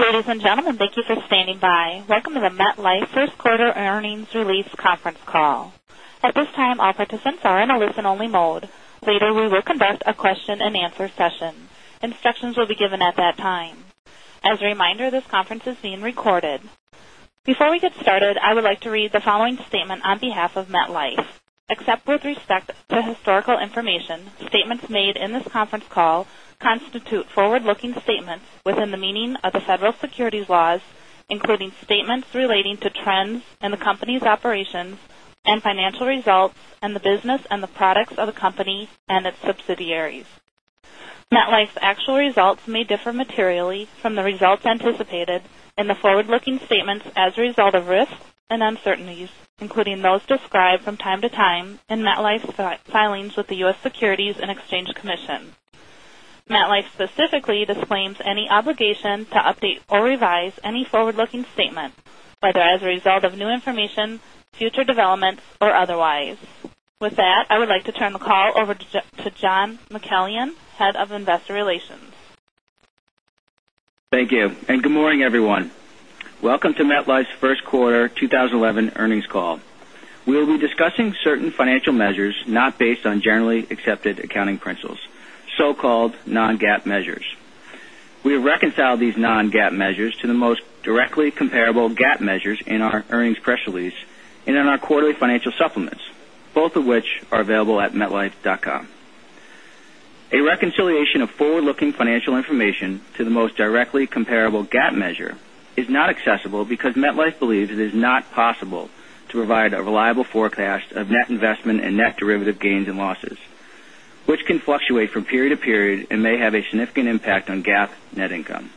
Ladies and gentlemen, thank you for standing by. Welcome to the MetLife first quarter earnings release conference call. At this time, all participants are in a listen-only mode. Later, we will conduct a question-and-answer session. Instructions will be given at that time. As a reminder, this conference is being recorded. Before we get started, I would like to read the following statement on behalf of MetLife. Except with respect to historical information, statements made in this conference call constitute forward-looking statements within the meaning of the federal securities laws, including statements relating to trends in the company's operations and financial results and the business and the products of the company and its subsidiaries. MetLife's actual results may differ materially from the results anticipated in the forward-looking statements as a result of risks and uncertainties, including those described from time to time in MetLife's filings with the U.S. Securities and Exchange Commission. MetLife specifically disclaims any obligation to update or revise any forward-looking statement, whether as a result of new information, future development, or otherwise. With that, I would like to turn the call over to John McCallion, Head of Investor Relations. Thank you. Good morning, everyone. Welcome to MetLife's first-quarter 2011 earnings call. We will be discussing certain financial measures not based on Generally Accepted Accounting Principles, so-called non-GAAP measures. We reconcile these non-GAAP measures to the most directly comparable GAAP measures in our earnings press release and in our quarterly financial supplements, both of which are available at metlife.com. A reconciliation of forward-looking financial information to the most directly comparable GAAP measure is not accessible because MetLife believes it is not possible to provide a reliable forecast of net investment and net derivative gains and losses, which can fluctuate from period to period and may have a significant impact on GAAP net income.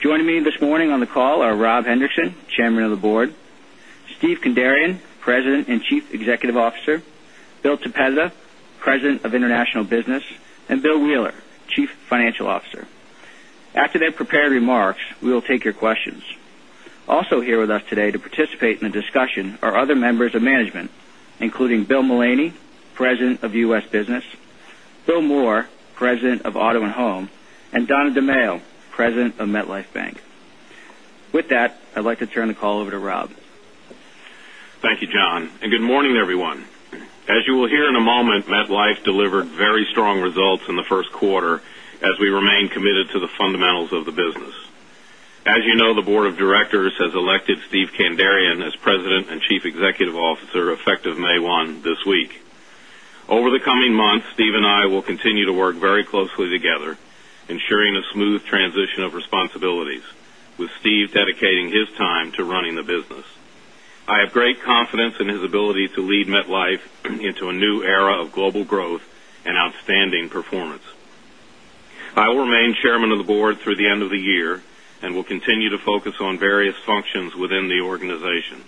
Joining me this morning on the call are Rob Henrikson, Chairman of the Board; Steven Kandarian, President and Chief Executive Officer; Bill Toppeta, President of International Business; and Bill Wheeler, Chief Financial Officer. After their prepared remarks, we will take your questions. Also here with us today to participate in the discussion are other members of management, including Bill Mullaney, President of U.S. Business; Bill Moore, President of MetLife Auto & Home; and Donna DeMaio, President of MetLife Bank. With that, I'd like to turn the call over to Rob. Thank you, John, and good morning, everyone. As you will hear in a moment, MetLife delivered very strong results in the first quarter as we remain committed to the fundamentals of the business. As you know, the board of directors has elected Steven Kandarian as President and Chief Executive Officer effective May 1 this week. Over the coming months, Steve and I will continue to work very closely together, ensuring a smooth transition of responsibilities, with Steve dedicating his time to running the business. I have great confidence in his ability to lead MetLife into a new era of global growth and outstanding performance. I will remain chairman of the board through the end of the year and will continue to focus on various functions within the organization.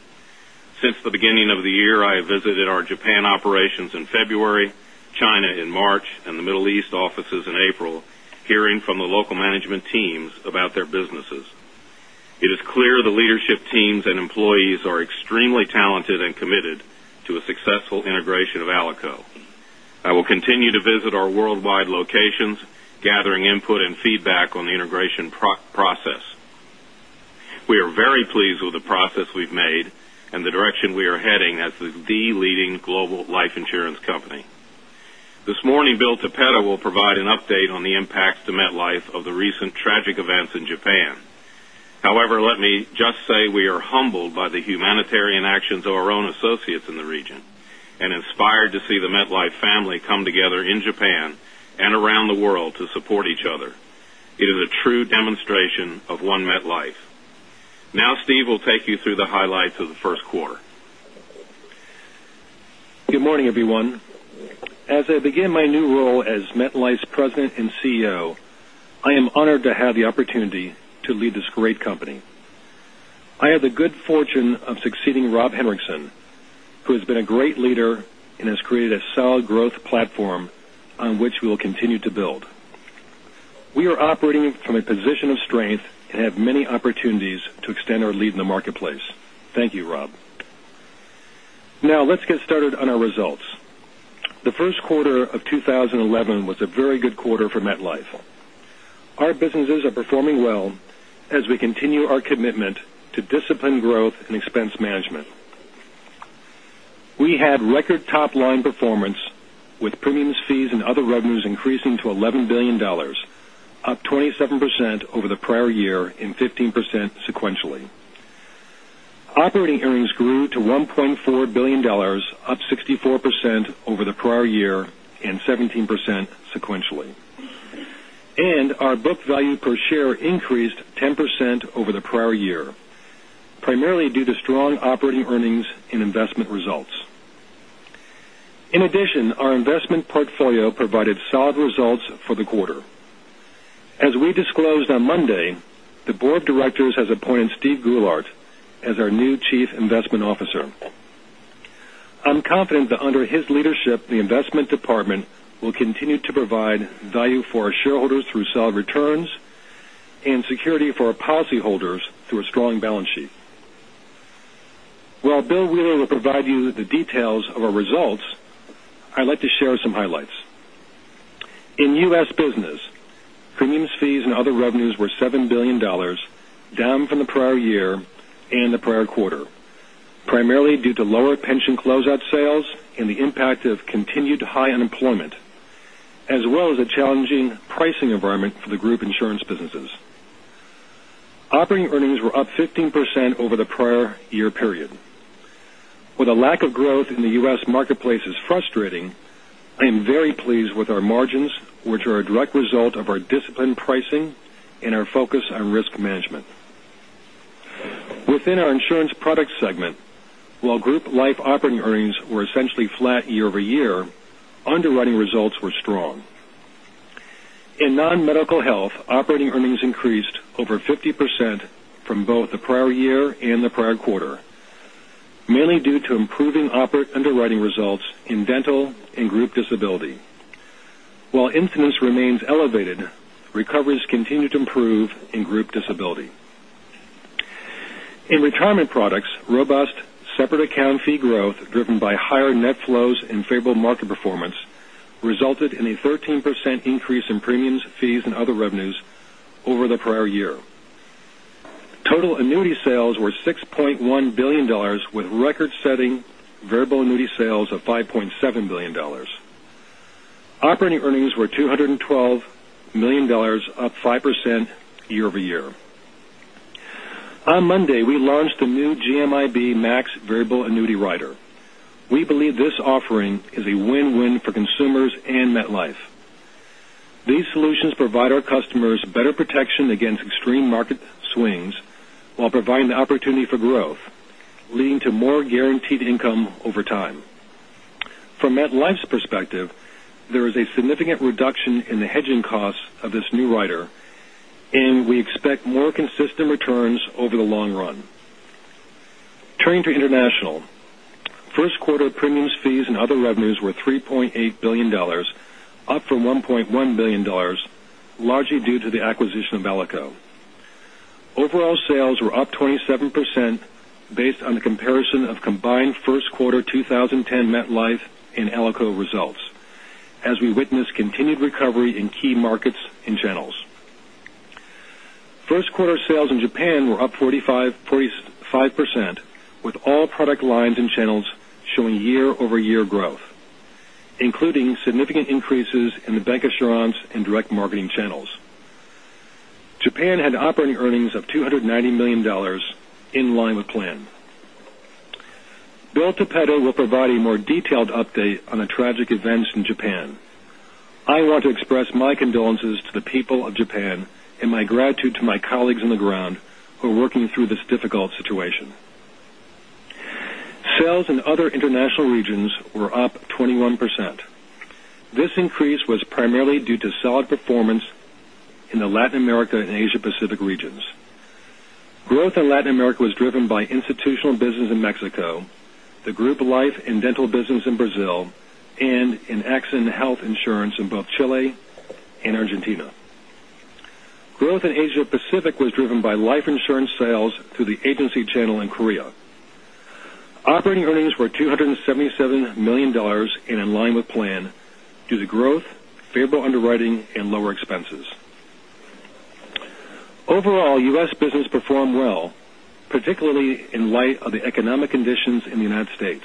Since the beginning of the year, I have visited our Japan operations in February, China in March, and the Middle East offices in April, hearing from the local management teams about their businesses. It is clear the leadership teams and employees are extremely talented and committed to a successful integration of Alico. I will continue to visit our worldwide locations, gathering input and feedback on the integration process. We are very pleased with the progress we've made and the direction we are heading as the leading global life insurance company. This morning, Bill Toppeta will provide an update on the impacts to MetLife of the recent tragic events in Japan. However, let me just say we are humbled by the humanitarian actions of our own associates in the region and inspired to see the MetLife family come together in Japan and around the world to support each other. It is a true demonstration of one MetLife. Now Steve will take you through the highlights of the first quarter. Good morning, everyone. As I begin my new role as MetLife's President and CEO, I am honored to have the opportunity to lead this great company. I have the good fortune of succeeding Rob Henrikson, who has been a great leader and has created a solid growth platform on which we will continue to build. We are operating from a position of strength and have many opportunities to extend our lead in the marketplace. Thank you, Rob. Now, let's get started on our results. The first quarter of 2011 was a very good quarter for MetLife. Our businesses are performing well as we continue our commitment to disciplined growth and expense management. We had record top-line performance, with premiums, fees, and other revenues increasing to $11 billion, up 27% over the prior year and 15% sequentially. Operating earnings grew to $1.4 billion, up 64% over the prior year and 17% sequentially. Our book value per share increased 10% over the prior year, primarily due to strong operating earnings and investment results. In addition, our investment portfolio provided solid results for the quarter. As we disclosed on Monday, the board of directors has appointed Steven Goulart as our new chief investment officer. I'm confident that under his leadership, the investment department will continue to provide value for our shareholders through solid returns and security for our policyholders through a strong balance sheet. While Bill Wheeler will provide you the details of our results, I'd like to share some highlights. In U.S. business, premiums, fees, and other revenues were $7 billion, down from the prior year and the prior quarter, primarily due to lower pension closeout sales and the impact of continued high unemployment, as well as a challenging pricing environment for the group insurance businesses. Operating earnings were up 15% over the prior year period. With a lack of growth in the U.S. marketplace is frustrating, I am very pleased with our margins, which are a direct result of our disciplined pricing and our focus on risk management. Within our insurance product segment, while group life operating earnings were essentially flat year-over-year, underwriting results were strong. In non-medical health, operating earnings increased over 50% from both the prior year and the prior quarter, mainly due to improving underwriting results in dental and group disability. While incidence remains elevated, recoveries continue to improve in group disability. In retirement products, robust separate account fee growth driven by higher net flows and favorable market performance resulted in a 13% increase in premiums, fees, and other revenues over the prior year. Total annuity sales were $6.1 billion with record-setting variable annuity sales of $5.7 billion. Operating earnings were $212 million, up 5% year-over-year. On Monday, we launched a new GMIB Max variable annuity rider. We believe this offering is a win-win for consumers and MetLife. These solutions provide our customers better protection against extreme market swings while providing the opportunity for growth, leading to more guaranteed income over time. From MetLife's perspective, there is a significant reduction in the hedging costs of this new rider, and we expect more consistent returns over the long run. Turning to international. First quarter premiums, fees, and other revenues were $3.8 billion, up from $1.1 billion, largely due to the acquisition of Alico. Overall sales were up 27% based on the comparison of combined first quarter 2010 MetLife and Alico results, as we witnessed continued recovery in key markets and channels. First quarter sales in Japan were up 45% with all product lines and channels showing year-over-year growth, including significant increases in the bancassurance and direct marketing channels. Japan had operating earnings of $290 million in line with plan. Bill Toppeta will provide a more detailed update on the tragic events in Japan. I want to express my condolences to the people of Japan and my gratitude to my colleagues on the ground who are working through this difficult situation. Sales in other international regions were up 21%. This increase was primarily due to solid performance in the Latin America and Asia Pacific regions. Growth in Latin America was driven by institutional business in Mexico, the group life and dental business in Brazil, and in accident health insurance in both Chile and Argentina. Growth in Asia Pacific was driven by life insurance sales through the agency channel in Korea. Operating earnings were $277 million and in line with plan due to growth, favorable underwriting, and lower expenses. Overall, U.S. business performed well, particularly in light of the economic conditions in the United States.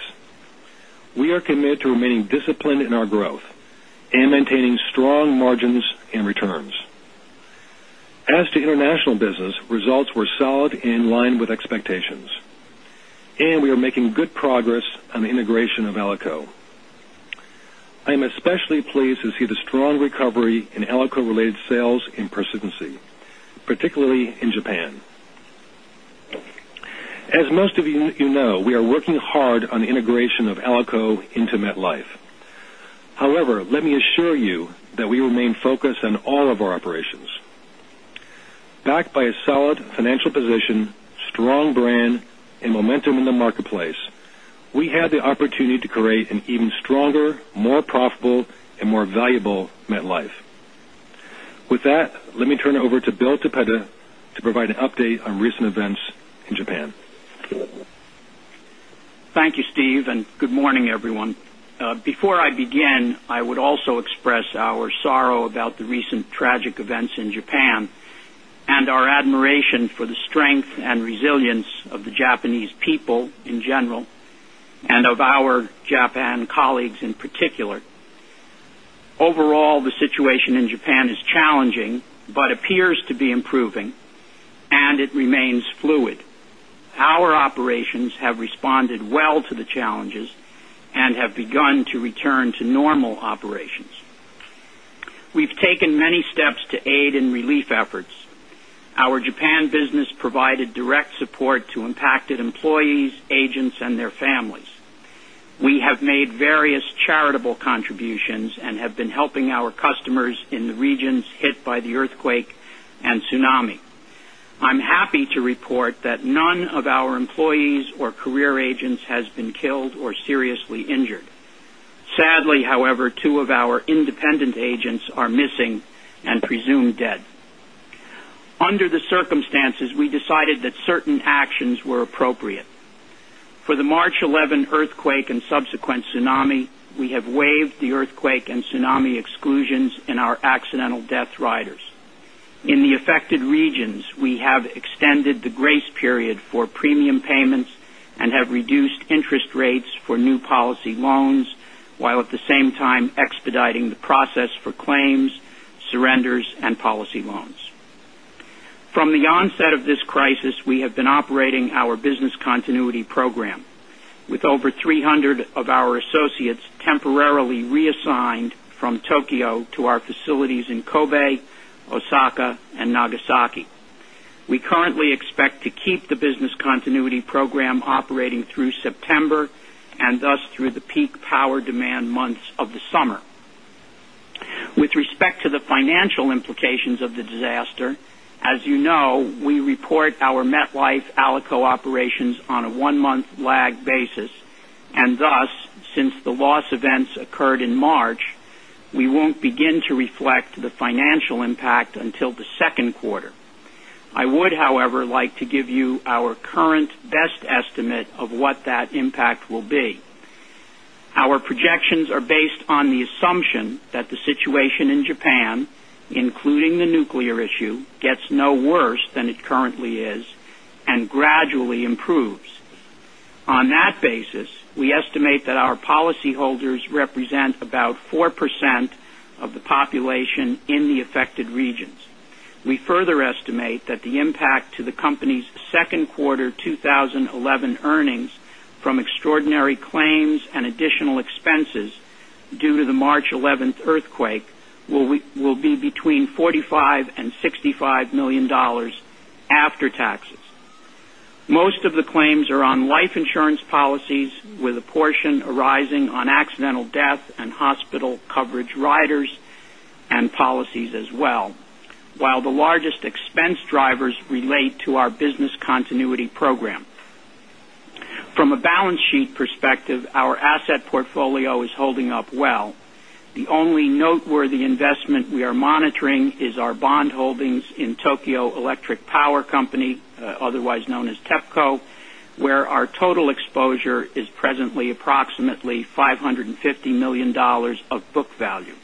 We are committed to remaining disciplined in our growth and maintaining strong margins and returns. As to international business, results were solid in line with expectations, and we are making good progress on the integration of Alico. I am especially pleased to see the strong recovery in Alico-related sales in persistency, particularly in Japan. As most of you know, we are working hard on the integration of Alico into MetLife. Let me assure you that we remain focused on all of our operations. Backed by a solid financial position, strong brand, and momentum in the marketplace, we have the opportunity to create an even stronger, more profitable, and more valuable MetLife. With that, let me turn it over to Bill Toppeta to provide an update on recent events in Japan. Thank you, Steve, and good morning, everyone. Before I begin, I would also express our sorrow about the recent tragic events in Japan and our admiration for the strength and resilience of the Japanese people in general and of our Japan colleagues in particular. Overall, the situation in Japan is challenging but appears to be improving, and it remains fluid. Our operations have responded well to the challenges and have begun to return to normal operations. We've taken many steps to aid in relief efforts. Our Japan business provided direct support to impacted employees, agents, and their families. We have made various charitable contributions and have been helping our customers in the regions hit by the earthquake and tsunami. I'm happy to report that none of our employees or career agents has been killed or seriously injured. Sadly, however, two of our independent agents are missing and presumed dead. Under the circumstances, we decided that certain actions were appropriate. For the March 11 earthquake and subsequent tsunami, we have waived the earthquake and tsunami exclusions in our accidental death riders. In the affected regions, we have extended the grace period for premium payments and have reduced interest rates for new policy loans, while at the same time expediting the process for claims, surrenders, and policy loans. From the onset of this crisis, we have been operating our business continuity program with over 300 of our associates temporarily reassigned from Tokyo to our facilities in Kobe, Osaka, and Nagasaki. We currently expect to keep the business continuity program operating through September, and thus through the peak power demand months of the summer. With respect to the financial implications of the disaster, as you know, we report our MetLife Alico operations on a one-month lag basis. Thus, since the loss events occurred in March, we won't begin to reflect the financial impact until the second quarter. I would, however, like to give you our current best estimate of what that impact will be. Our projections are based on the assumption that the situation in Japan, including the nuclear issue, gets no worse than it currently is and gradually improves. On that basis, we estimate that our policyholders represent about 4% of the population in the affected regions. We further estimate that the impact to the company's second quarter 2011 earnings from extraordinary claims and additional expenses due to the March 11th earthquake will be between $45 million-$65 million after taxes. Most of the claims are on life insurance policies, with a portion arising on accidental death and hospital coverage riders and policies as well, while the largest expense drivers relate to our business continuity program. From a balance sheet perspective, our asset portfolio is holding up well. The only noteworthy investment we are monitoring is our bond holdings in Tokyo Electric Power Company, otherwise known as TEPCO, where our total exposure is presently approximately $550 million of book value.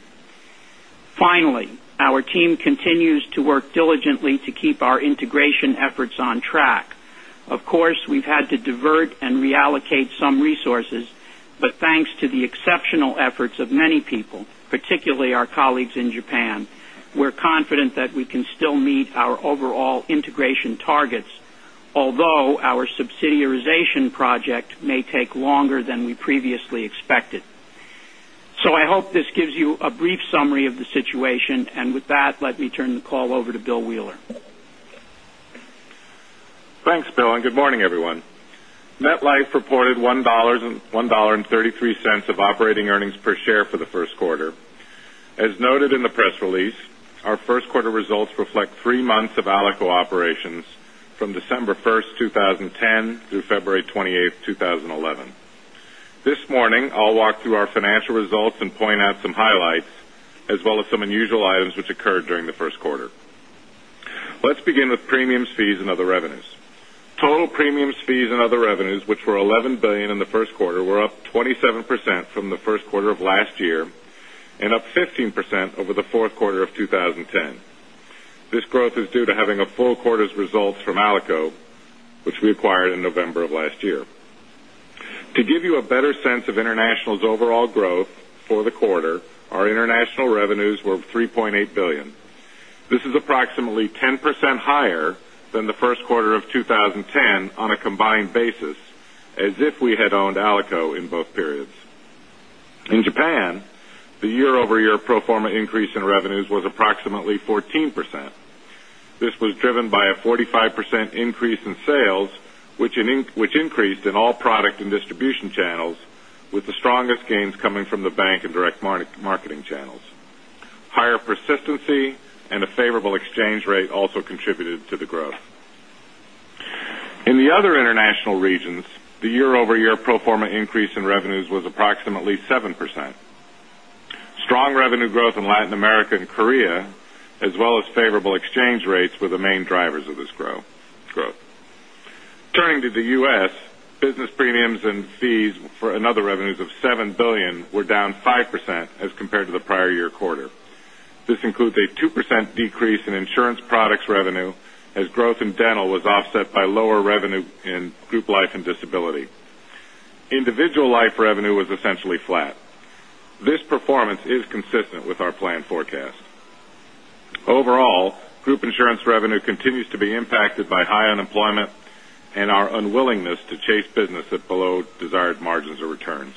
Finally, our team continues to work diligently to keep our integration efforts on track. Of course, we've had to divert and reallocate some resources, but thanks to the exceptional efforts of many people, particularly our colleagues in Japan, we're confident that we can still meet our overall integration targets, although our subsidiarization project may take longer than we previously expected. I hope this gives you a brief summary of the situation. With that, let me turn the call over to Bill Wheeler. Thanks, Bill. Good morning, everyone. MetLife reported $1.33 of operating earnings per share for the first quarter. As noted in the press release, our first quarter results reflect three months of Alico operations from December 1st, 2010, through February 28th, 2011. This morning, I'll walk through our financial results and point out some highlights, as well as some unusual items which occurred during the first quarter. Let's begin with premiums, fees, and other revenues. Total premiums, fees, and other revenues, which were $11 billion in the first quarter, were up 27% from the first quarter of last year and up 15% over the fourth quarter of 2010. This growth is due to having a full quarter's results from Alico, which we acquired in November of last year. To give you a better sense of international's overall growth for the quarter, our international revenues were $3.8 billion. This is approximately 10% higher than the first quarter of 2010 on a combined basis, as if we had owned Alico in both periods. In Japan, the year-over-year pro forma increase in revenues was approximately 14%. This was driven by a 45% increase in sales, which increased in all product and distribution channels, with the strongest gains coming from the bank and direct marketing channels. Higher persistency and a favorable exchange rate also contributed to the growth. In the other international regions, the year-over-year pro forma increase in revenues was approximately 7%. Strong revenue growth in Latin America and Korea, as well as favorable exchange rates, were the main drivers of this growth. Turning to the U.S., business premiums and fees for another revenues of $7 billion were down 5% as compared to the prior year quarter. This includes a 2% decrease in insurance products revenue, as growth in dental was offset by lower revenue in group life and disability. Individual life revenue was essentially flat. This performance is consistent with our plan forecast. Overall, group insurance revenue continues to be impacted by high unemployment and our unwillingness to chase business at below desired margins or returns.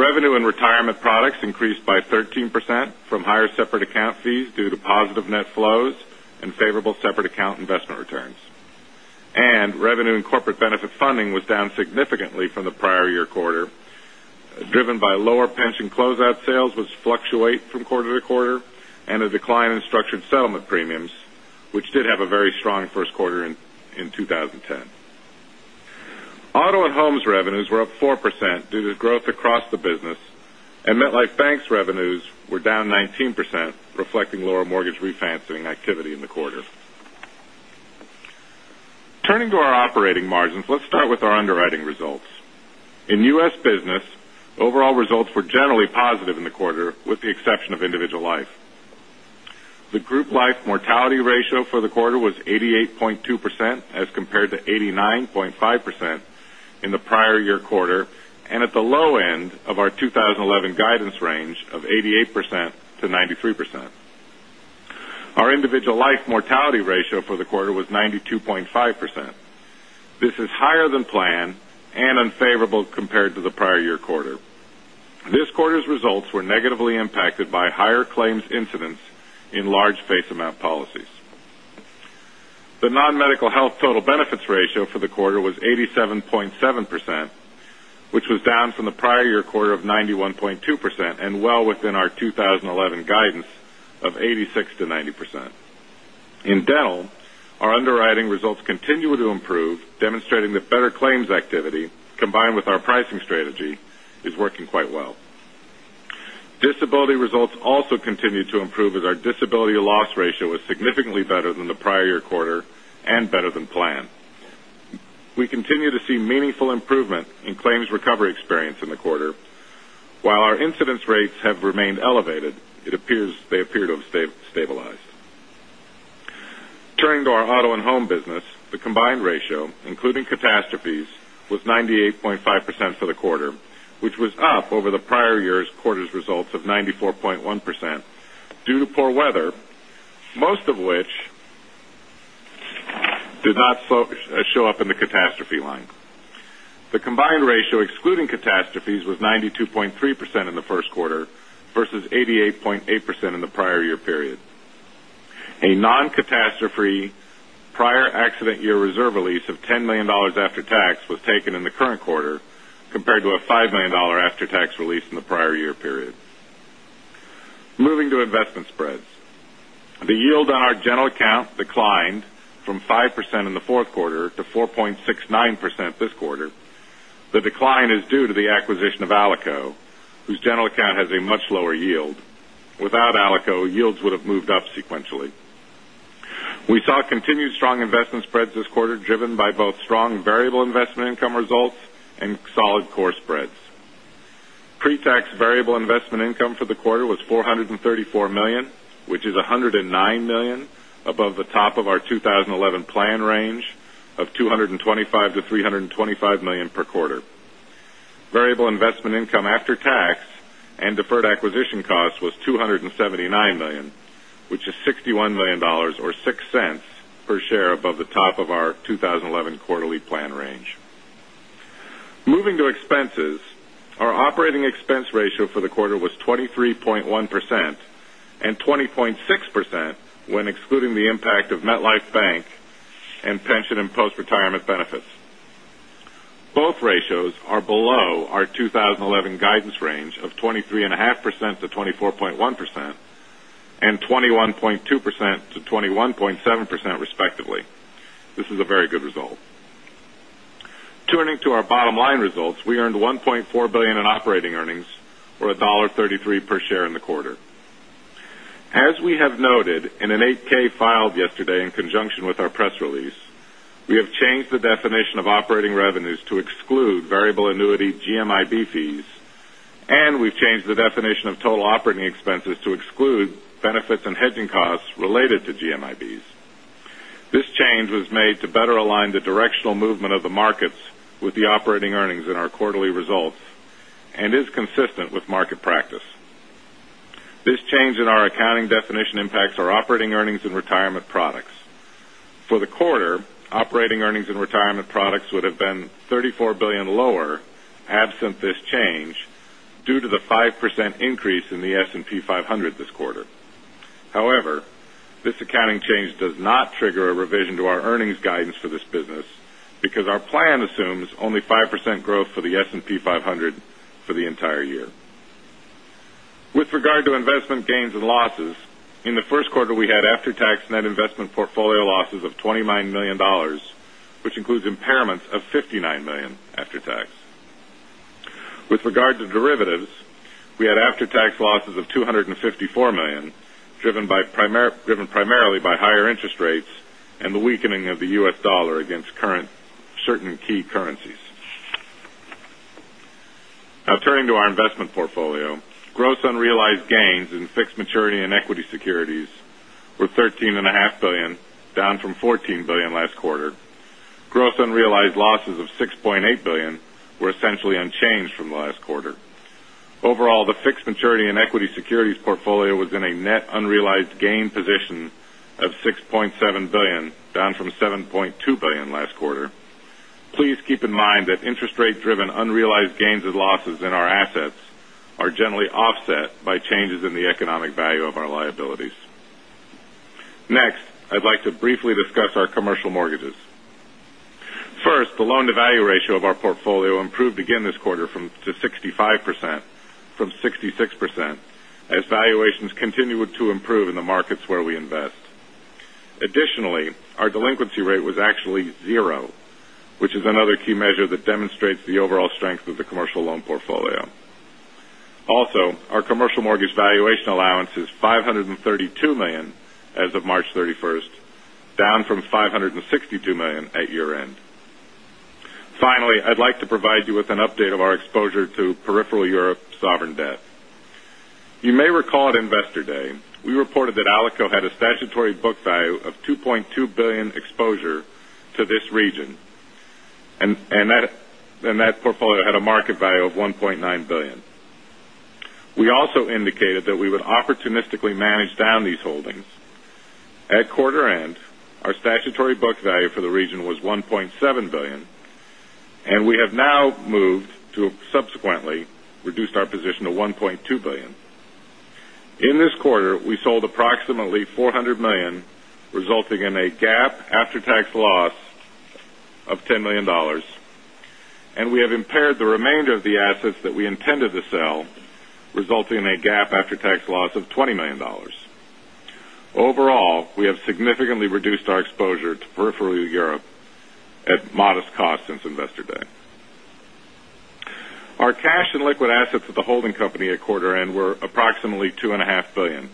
Revenue in retirement products increased by 13% from higher separate account fees due to positive net flows and favorable separate account investment returns. Revenue in corporate benefit funding was down significantly from the prior year quarter, driven by lower pension closeout sales, which fluctuate from quarter-to-quarter, and a decline in structured settlement premiums, which did have a very strong first quarter in 2010. Auto and Home revenues were up 4% due to growth across the business, and MetLife Bank revenues were down 19%, reflecting lower mortgage refinancing activity in the quarter. Turning to our operating margins, let's start with our underwriting results. In U.S. business, overall results were generally positive in the quarter, with the exception of individual life. The group life mortality ratio for the quarter was 88.2%, as compared to 89.5% in the prior year quarter, and at the low end of our 2011 guidance range of 88%-93%. Our individual life mortality ratio for the quarter was 92.5%. This is higher than planned and unfavorable compared to the prior year quarter. This quarter's results were negatively impacted by higher claims incidents in large face amount policies. The non-medical health total benefits ratio for the quarter was 87.7%, which was down from the prior year quarter of 91.2% and well within our 2011 guidance of 86%-90%. In dental, our underwriting results continue to improve, demonstrating that better claims activity, combined with our pricing strategy, is working quite well. Disability results also continued to improve, as our disability loss ratio was significantly better than the prior year quarter and better than planned. We continue to see meaningful improvement in claims recovery experience in the quarter. While our incidence rates have remained elevated, they appear to have stabilized. Turning to our Auto and Home business, the combined ratio, including catastrophes, was 98.5% for the quarter, which was up over the prior year's quarter's results of 94.1% due to poor weather, most of which did not show up in the catastrophe line. The combined ratio, excluding catastrophes, was 92.3% in the first quarter versus 88.8% in the prior year period. A non-catastrophe prior accident year reserve release of $10 million after tax was taken in the current quarter, compared to a $5 million after-tax release in the prior year period. Moving to investment spreads. The yield on our general account declined from 5% in the fourth quarter to 4.69% this quarter. The decline is due to the acquisition of Alico, whose general account has a much lower yield. Without Alico, yields would have moved up sequentially. We saw continued strong investment spreads this quarter, driven by both strong variable investment income results and solid core spreads. Pre-tax variable investment income for the quarter was $434 million, which is $109 million above the top of our 2011 plan range of $225 million-$325 million per quarter. Variable investment income after tax and deferred acquisition costs was $279 million, which is $61 million or $0.06 per share above the top of our 2011 quarterly plan range. Moving to expenses. Our operating expense ratio for the quarter was 23.1% and 20.6% when excluding the impact of MetLife Bank and pension and post-retirement benefits. Both ratios are below our 2011 guidance range of 23.5%-24.1% and 21.2%-21.7%, respectively. This is a very good result. Turning to our bottom line results, we earned $1.4 billion in operating earnings or $1.33 per share in the quarter. As we have noted in an 8-K filed yesterday in conjunction with our press release, we have changed the definition of operating revenues to exclude variable annuity GMIB fees, and we've changed the definition of total operating expenses to exclude benefits and hedging costs related to GMIBs. This change was made to better align the directional movement of the markets with the operating earnings in our quarterly results and is consistent with market practice. This change in our accounting definition impacts our operating earnings and retirement products. For the quarter, operating earnings and retirement products would have been $34 billion lower absent this change due to the 5% increase in the S&P 500 this quarter. However, this accounting change does not trigger a revision to our earnings guidance for this business because our plan assumes only 5% growth for the S&P 500 for the entire year. With regard to investment gains and losses, in the first quarter, we had after-tax net investment portfolio losses of $29 million, which includes impairments of $59 million after tax. With regard to derivatives, we had after-tax losses of $254 million, driven primarily by higher interest rates and the weakening of the US dollar against certain key currencies. Turning to our investment portfolio. Gross unrealized gains in fixed maturity and equity securities were $13.5 billion, down from $14 billion last quarter. Gross unrealized losses of $6.8 billion were essentially unchanged from last quarter. Overall, the fixed maturity and equity securities portfolio was in a net unrealized gain position of $6.7 billion, down from $7.2 billion last quarter. Please keep in mind that interest rate-driven unrealized gains and losses in our assets are generally offset by changes in the economic value of our liabilities. Next, I'd like to briefly discuss our commercial mortgages. First, the loan to value ratio of our portfolio improved again this quarter to 65% from 66% as valuations continued to improve in the markets where we invest. Additionally, our delinquency rate was actually zero, which is another key measure that demonstrates the overall strength of the commercial loan portfolio. Also, our commercial mortgage valuation allowance is $532 million as of March 31st, down from $562 million at year-end. Finally, I'd like to provide you with an update of our exposure to peripheral Europe sovereign debt. You may recall at Investor Day, we reported that Alico had a statutory book value of $2.2 billion exposure to this region, and that portfolio had a market value of $1.9 billion. We also indicated that we would opportunistically manage down these holdings. At quarter end, our statutory book value for the region was $1.7 billion, we have now moved to subsequently reduce our position to $1.2 billion. In this quarter, we sold approximately $400 million, resulting in a GAAP after-tax loss of $10 million, we have impaired the remainder of the assets that we intended to sell, resulting in a GAAP after-tax loss of $20 million. Overall, we have significantly reduced our exposure to peripheral Europe at modest cost since Investor Day. Our cash and liquid assets at the holding company at quarter end were approximately $2.5 billion.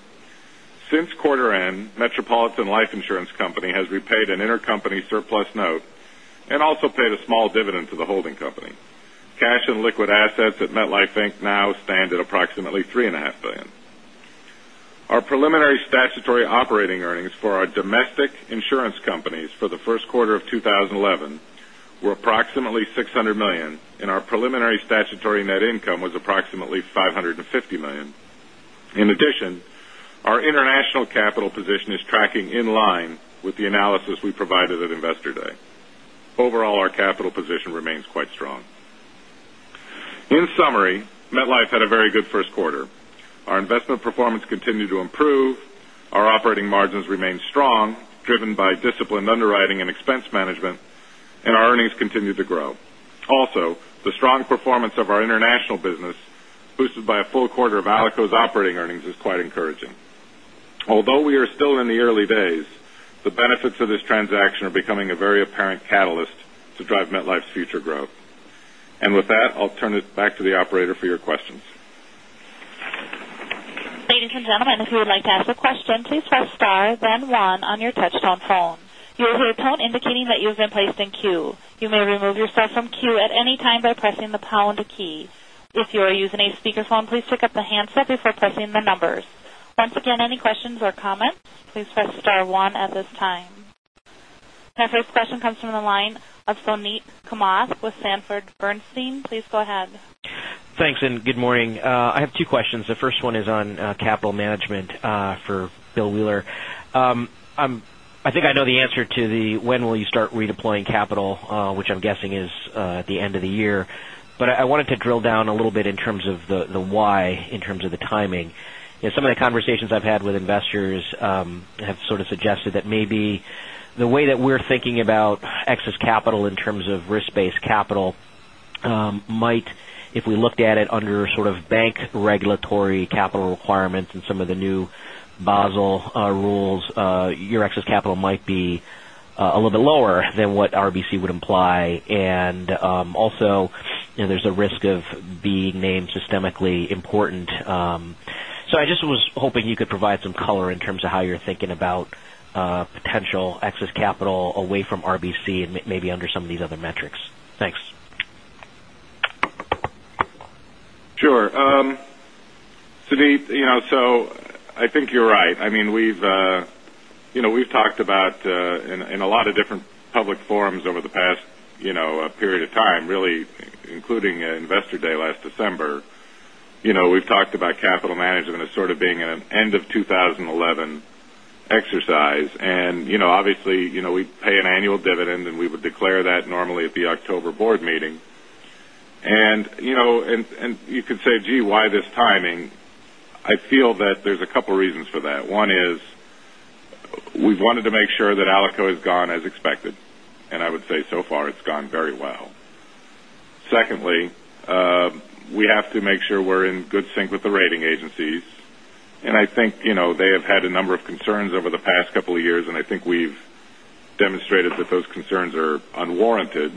Since quarter end, Metropolitan Life Insurance Company has repaid an intercompany surplus note and also paid a small dividend to the holding company. Cash and liquid assets at MetLife Inc. now stand at approximately $3.5 billion. Our preliminary statutory operating earnings for our domestic insurance companies for the first quarter of 2011 were approximately $600 million, our preliminary statutory net income was approximately $550 million. In addition, our international capital position is tracking in line with the analysis we provided at Investor Day. Overall, our capital position remains quite strong. In summary, MetLife had a very good first quarter. Our investment performance continued to improve, our operating margins remained strong, driven by disciplined underwriting and expense management, our earnings continued to grow. Also, the strong performance of our international business, boosted by a full quarter of Alico's operating earnings, is quite encouraging. Although we are still in the early days, the benefits of this transaction are becoming a very apparent catalyst to drive MetLife's future growth. With that, I'll turn it back to the operator for your questions. Ladies and gentlemen, if you would like to ask a question, please press star then one on your touchtone phone. You will hear a tone indicating that you have been placed in queue. You may remove yourself from queue at any time by pressing the pound key. If you are using a speakerphone, please pick up the handset before pressing the numbers. Once again, any questions or comments, please press star one at this time. Our first question comes from the line of Suneet Kamath with Sanford C. Bernstein. Please go ahead. Thanks, and good morning. I have two questions. The first one is on capital management for Bill Wheeler. I think I know the answer to the when will you start redeploying capital, which I'm guessing is at the end of the year. I wanted to drill down a little bit in terms of the why, in terms of the timing. Some of the conversations I've had with investors have sort of suggested that maybe the way that we're thinking about excess capital in terms of risk-based capital might, if we looked at it under sort of bank regulatory capital requirements and some of the new Basel rules, your excess capital might be a little bit lower than what RBC would imply. Also, there's a risk of being named systemically important. I just was hoping you could provide some color in terms of how you're thinking about potential excess capital away from RBC and maybe under some of these other metrics. Thanks. Sure. Suneet, I think you're right. We've talked about, in a lot of different public forums over the past period of time, really including at Investor Day last December, we've talked about capital management as sort of being an end of 2011 exercise. Obviously, we pay an annual dividend, and we would declare that normally at the October board meeting. You could say, "Gee, why this timing?" I feel that there's a couple of reasons for that. One is we've wanted to make sure that Alico has gone as expected, and I would say so far it's gone very well. Secondly, we have to make sure we're in good sync with the rating agencies. I think they have had a number of concerns over the past couple of years, and I think we've demonstrated that those concerns are unwarranted,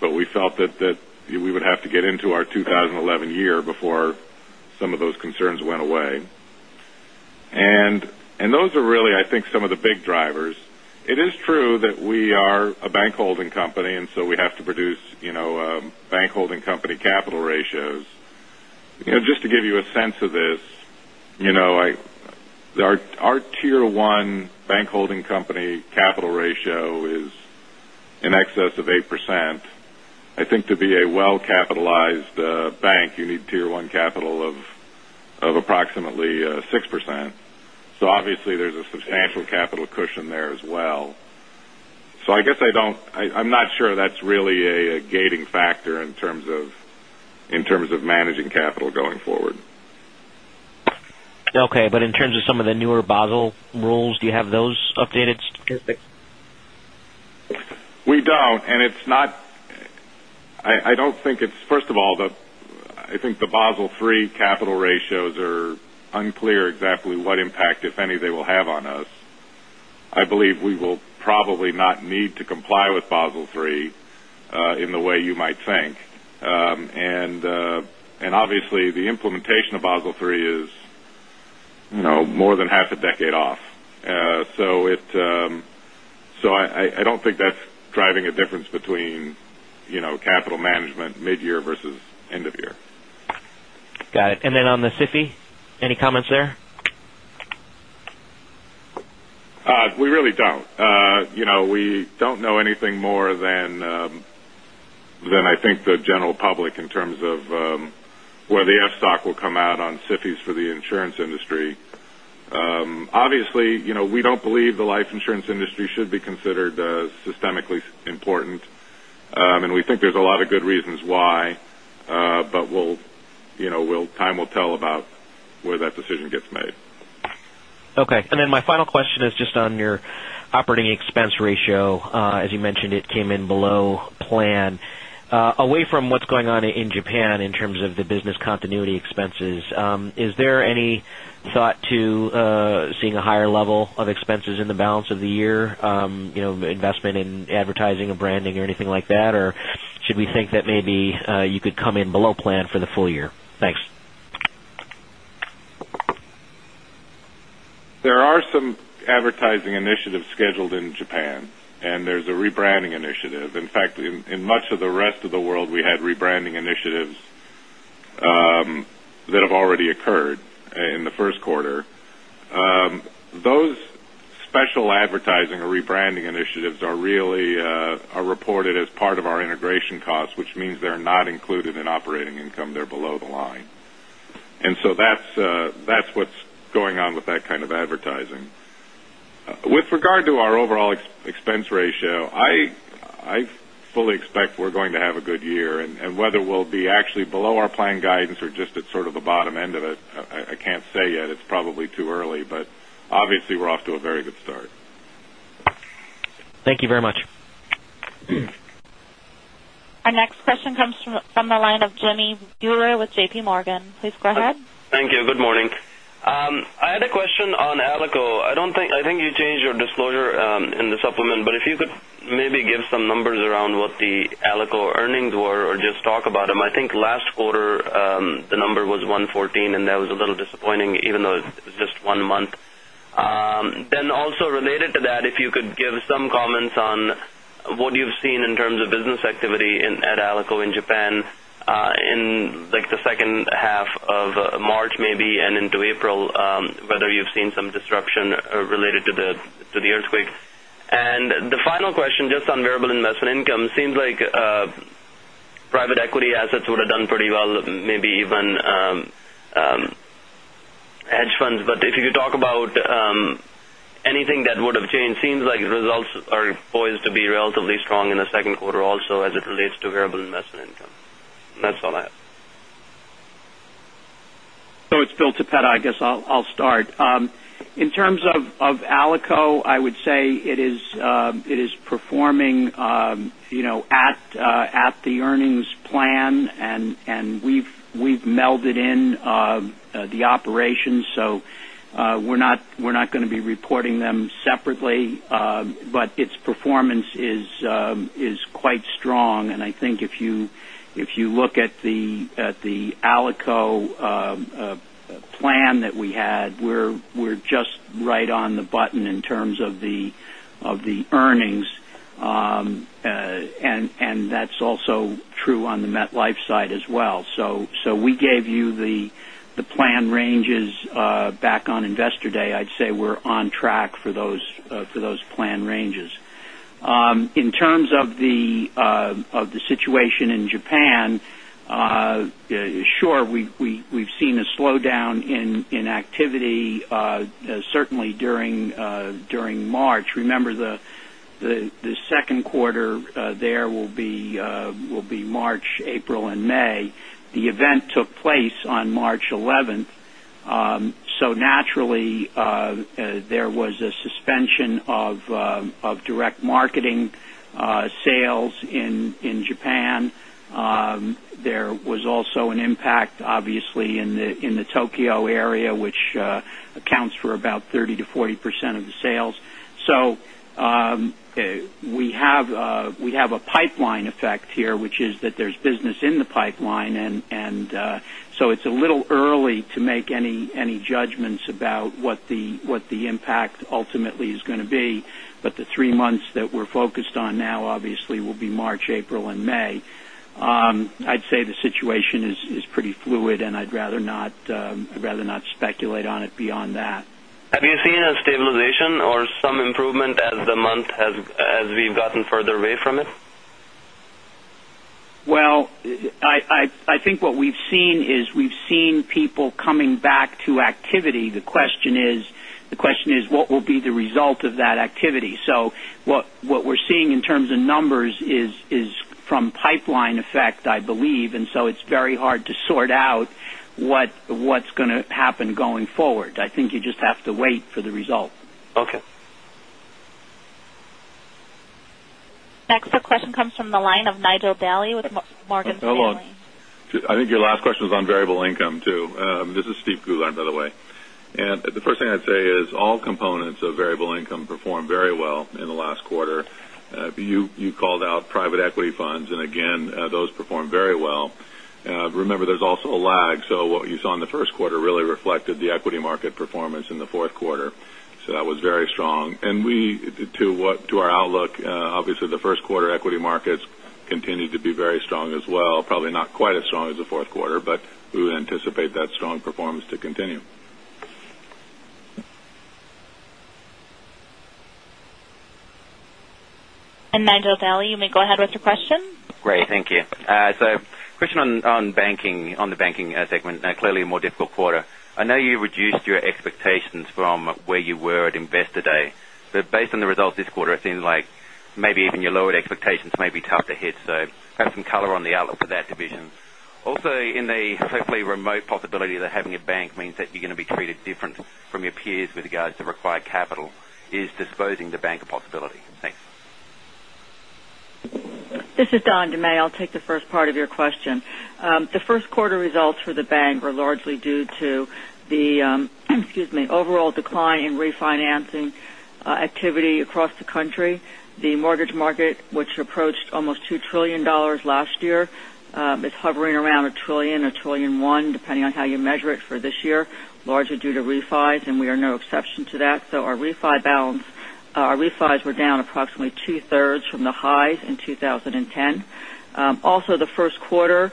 but we felt that we would have to get into our 2011 year before some of those concerns went away. Those are really, I think, some of the big drivers. It is true that we are a bank holding company, and so we have to produce bank holding company capital ratios. Just to give you a sense of this, our Tier 1 bank holding company capital ratio is in excess of 8%. I think to be a well-capitalized bank, you need Tier 1 capital of approximately 6%. Obviously, there's a substantial capital cushion there as well. I guess I'm not sure that's really a gating factor in terms of managing capital going forward. Okay. In terms of some of the newer Basel rules, do you have those updated statistics? We don't. First of all, I think the Basel III capital ratios are unclear exactly what impact, if any, they will have on us. I believe we will probably not need to comply with Basel III in the way you might think. Obviously, the implementation of Basel III is more than half a decade off. I don't think that's driving a difference between capital management mid-year versus end of year. Got it. Then on the SIFI, any comments there? We really don't. We don't know anything more than I think the general public in terms of where the FSOC will come out on SIFIs for the insurance industry. Obviously, we don't believe the life insurance industry should be considered systemically important. We think there's a lot of good reasons why, time will tell about where that decision gets made. Okay. My final question is just on your operating expense ratio. As you mentioned, it came in below plan. Away from what's going on in Japan in terms of the business continuity expenses, is there any thought to seeing a higher level of expenses in the balance of the year, investment in advertising or branding or anything like that? Should we think that maybe you could come in below plan for the full year? Thanks. There are some advertising initiatives scheduled in Japan, and there's a rebranding initiative. In fact, in much of the rest of the world, we had rebranding initiatives that have already occurred in the first quarter. Those special advertising or rebranding initiatives are reported as part of our integration costs, which means they're not included in operating income. They're below the line. That's what's going on with that kind of advertising. With regard to our overall expense ratio, I fully expect we're going to have a good year, and whether we'll be actually below our plan guidance or just at sort of the bottom end of it, I can't say yet. It's probably too early, but obviously we're off to a very good start. Thank you very much. Our next question comes from the line of Jamminder Bhullar with J.P. Morgan. Please go ahead. Thank you. Good morning. I had a question on Alico. I think you changed your disclosure in the supplement, but if you could maybe give some numbers around what the Alico earnings were or just talk about them. I think last quarter, the number was 114, and that was a little disappointing, even though it was just one month. Also related to that, if you could give some comments on what you've seen in terms of business activity at Alico in Japan in the second half of March maybe and into April, whether you've seen some disruption related to the earthquake. The final question, just on variable investment income, seems like private equity assets would have done pretty well, maybe even hedge funds. If you could talk about anything that would have changed. Seems like results are poised to be relatively strong in the second quarter also as it relates to variable investment income. That's all I have. It's Bill Toppeta, I guess I'll start. In terms of Alico, I would say it is performing at the earnings plan, and we've melded in the operations. We're not going to be reporting them separately. Its performance is quite strong, and I think if you look at the Alico plan that we had, we're just right on the button in terms of the earnings. That's also true on the MetLife side as well. We gave you the plan ranges back on Investor Day. I'd say we're on track for those plan ranges. In terms of the situation in Japan, sure, we've seen a slowdown in activity certainly during March. Remember, the second quarter there will be March, April, and May. The event took place on March 11th. Naturally, there was a suspension of direct marketing sales in Japan. There was also an impact, obviously, in the Tokyo area, which accounts for about 30%-40% of the sales. We have a pipeline effect here, which is that there's business in the pipeline. It's a little early to make any judgments about what the impact ultimately is going to be. The three months that we're focused on now, obviously, will be March, April, and May. I'd say the situation is pretty fluid, and I'd rather not speculate on it beyond that. Have you seen a stabilization or some improvement as we've gotten further away from it? Well, I think what we've seen is we've seen people coming back to activity. The question is what will be the result of that activity? What we're seeing in terms of numbers is from pipeline effect, I believe. It's very hard to sort out What's going to happen going forward? I think you just have to wait for the result. Okay. Next, the question comes from the line of Nigel Dally with Morgan Stanley. Hello. I think your last question was on variable income, too. This is Steven Goulart, by the way. The first thing I'd say is all components of variable income performed very well in the last quarter. You called out private equity funds, and again, those performed very well. Remember, there's also a lag. What you saw in the first quarter really reflected the equity market performance in the fourth quarter. That was very strong. To our outlook, obviously the first quarter equity markets continued to be very strong as well. Probably not quite as strong as the fourth quarter, but we would anticipate that strong performance to continue. Nigel Dally, you may go ahead with your question. Great. Thank you. Question on the banking segment. Clearly a more difficult quarter. I know you reduced your expectations from where you were at Investor Day. Based on the results this quarter, it seems like maybe even your lowered expectations may be tough to hit. Perhaps some color on the outlook for that division. Also, in the hopefully remote possibility that having a bank means that you're going to be treated different from your peers with regards to required capital. Is disposing the bank a possibility? Thanks. This is Donna DeMaio. I'll take the first part of your question. The first quarter results for the bank were largely due to the overall decline in refinancing activity across the country. The mortgage market, which approached almost $2 trillion last year, is hovering around $1 trillion, $1 trillion and one, depending on how you measure it for this year, largely due to refis, and we are no exception to that. Our refi balance, our refis were down approximately two-thirds from the highs in 2010. The first quarter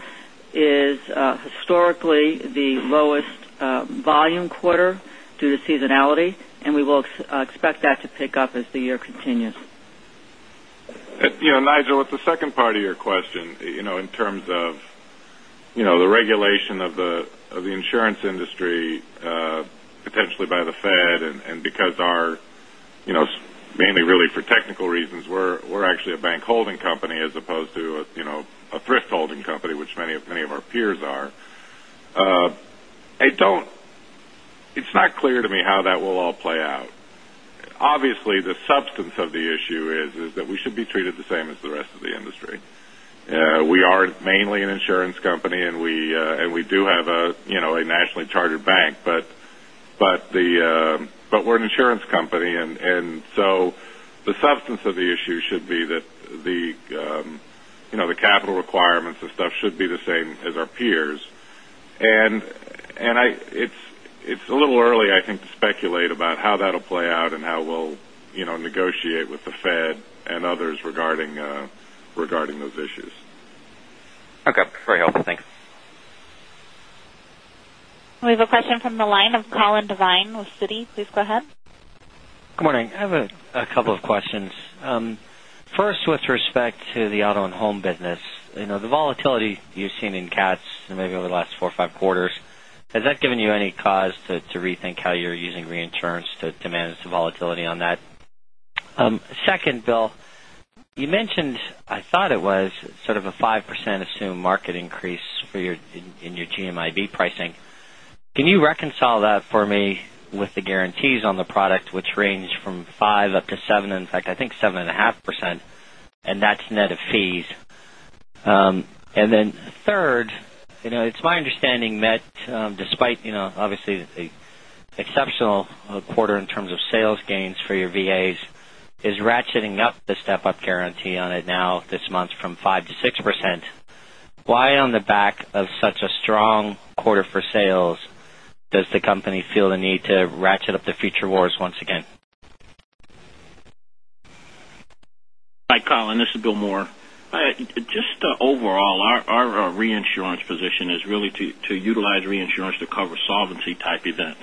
is historically the lowest volume quarter due to seasonality, and we will expect that to pick up as the year continues. Nigel, with the second part of your question, in terms of the regulation of the insurance industry potentially by the Fed, mainly really for technical reasons, we're actually a bank holding company as opposed to a thrift holding company, which many of our peers are. It's not clear to me how that will all play out. Obviously, the substance of the issue is that we should be treated the same as the rest of the industry. We are mainly an insurance company, we do have a nationally chartered bank. We're an insurance company, the substance of the issue should be that the capital requirements and stuff should be the same as our peers. It's a little early, I think, to speculate about how that'll play out and how we'll negotiate with the Fed and others regarding those issues. Okay. Very helpful. Thanks. We have a question from the line of Colin Devine with Citi. Please go ahead. Good morning. I have a couple of questions. First, with respect to the auto and home business, the volatility you've seen in cats maybe over the last four or five quarters, has that given you any cause to rethink how you're using reinsurance to manage the volatility on that? Second, Bill, you mentioned, I thought it was sort of a 5% assumed market increase in your GMIB pricing. Can you reconcile that for me with the guarantees on the product, which range from 5% up to 7%? In fact, I think 7.5%, and that's net of fees. Then third, it's my understanding Met, despite obviously the exceptional quarter in terms of sales gains for your VAs, is ratcheting up the step-up guarantee on it now this month from 5% to 6%. Why on the back of such a strong quarter for sales does the company feel the need to ratchet up the future rewards once again? Hi, Colin, this is William Moore. Just overall, our reinsurance position is really to utilize reinsurance to cover solvency-type events.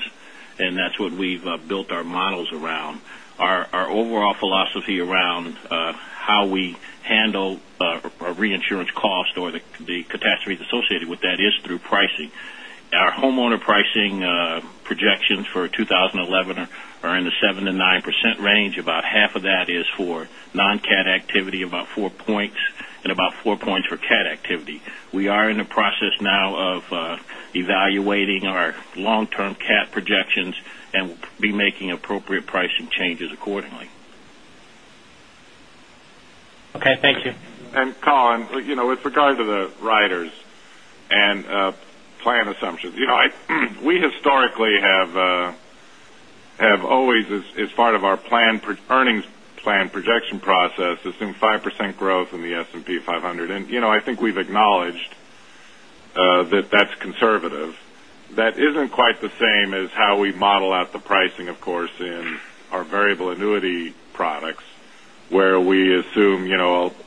That's what we've built our models around. Our overall philosophy around how we handle our reinsurance cost or the catastrophes associated with that is through pricing. Our homeowner pricing projections for 2011 are in the 7%-9% range. About half of that is for non-cat activity, about four points, and about four points for cat activity. We are in the process now of evaluating our long-term cat projections, and we'll be making appropriate pricing changes accordingly. Okay. Thank you. Colin, with regard to the riders and plan assumptions, we historically have always, as part of our earnings plan projection process, assumed 5% growth in the S&P 500. I think we've acknowledged that that's conservative. That isn't quite the same as how we model out the pricing, of course, in our variable annuity products, where we assume over time,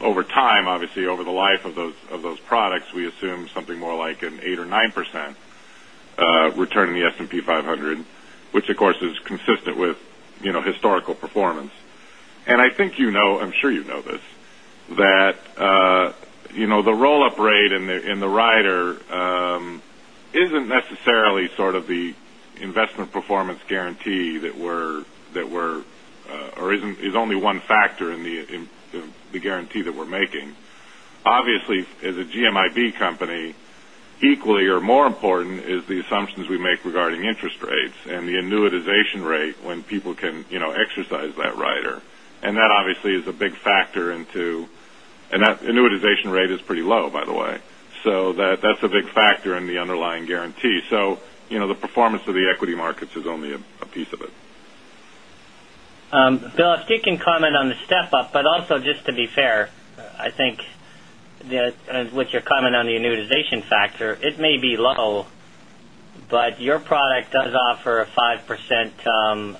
obviously over the life of those products, we assume something more like an 8% or 9% return in the S&P 500, which of course is consistent with historical performance. I think you know, I'm sure you know this, that the roll-up rate in the rider isn't necessarily sort of the investment performance guarantee that we're. Is only one factor in the guarantee that we're making. Obviously, as a GMIB company, equally or more important is the assumptions we make regarding interest rates and the annuitization rate when people can exercise that rider. That obviously is a big factor. That annuitization rate is pretty low, by the way. That's a big factor in the underlying guarantee. The performance of the equity markets is only a piece of it. Bill, if you can comment on the step-up, also just to be fair, I think that with your comment on the annuitization factor, it may be low, your product does offer a 5%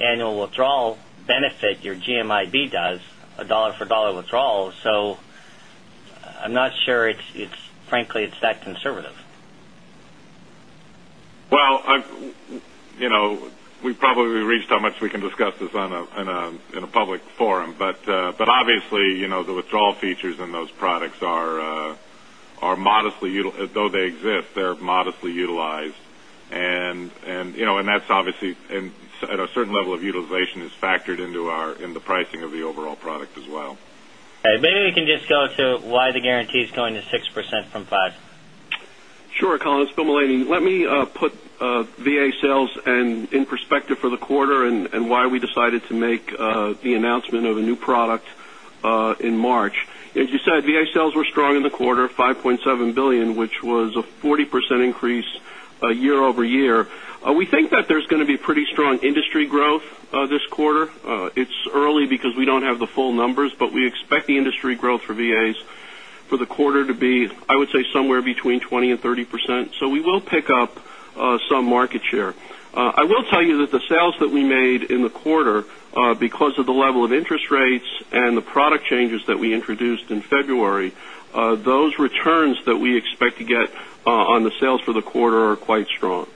annual withdrawal benefit, your GMIB does, a dollar for dollar withdrawal. I'm not sure, frankly, it's that conservative. Well, we've probably reached how much we can discuss this in a public forum. Obviously, the withdrawal features in those products, though they exist, they're modestly utilized. That's obviously at a certain level of utilization is factored into the pricing of the overall product as well. Maybe we can just go to why the guarantee is going to 6% from 5%. Sure, Colin, it's Bill Mullaney. Let me put VA sales in perspective for the quarter and why we decided to make the announcement of a new product in March. As you said, VA sales were strong in the quarter, $5.7 billion, which was a 40% increase year-over-year. We think that there's going to be pretty strong industry growth this quarter. It's early because we don't have the full numbers, but we expect the industry growth for VAs for the quarter to be, I would say, somewhere between 20%-30%. We will pick up some market share. I will tell you that the sales that we made in the quarter, because of the level of interest rates and the product changes that we introduced in February, those returns that we expect to get on the sales for the quarter are quite strong.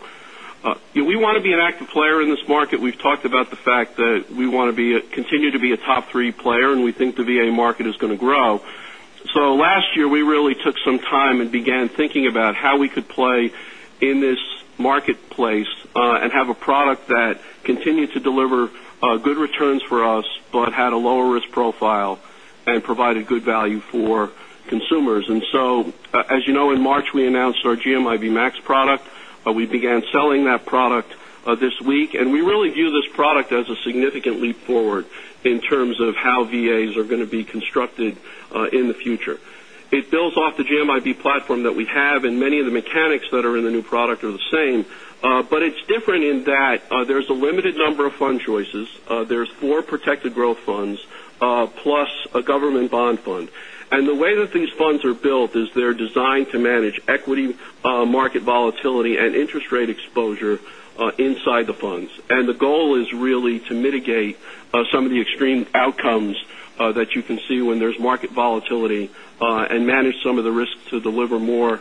We want to be an active player in this market. We've talked about the fact that we want to continue to be a top three player. We think the VA market is going to grow. Last year, we really took some time and began thinking about how we could play in this marketplace and have a product that continued to deliver good returns for us, but had a lower risk profile and provided good value for consumers. As you know, in March, we announced our GMIB Max product. We began selling that product this week. We really view this product as a significant leap forward in terms of how VAs are going to be constructed in the future. It builds off the GMIB platform that we have, and many of the mechanics that are in the new product are the same. It's different in that there's a limited number of fund choices. There's four protected growth funds, plus a government bond fund. The way that these funds are built is they're designed to manage equity market volatility and interest rate exposure inside the funds. The goal is really to mitigate some of the extreme outcomes that you can see when there's market volatility and manage some of the risks to deliver more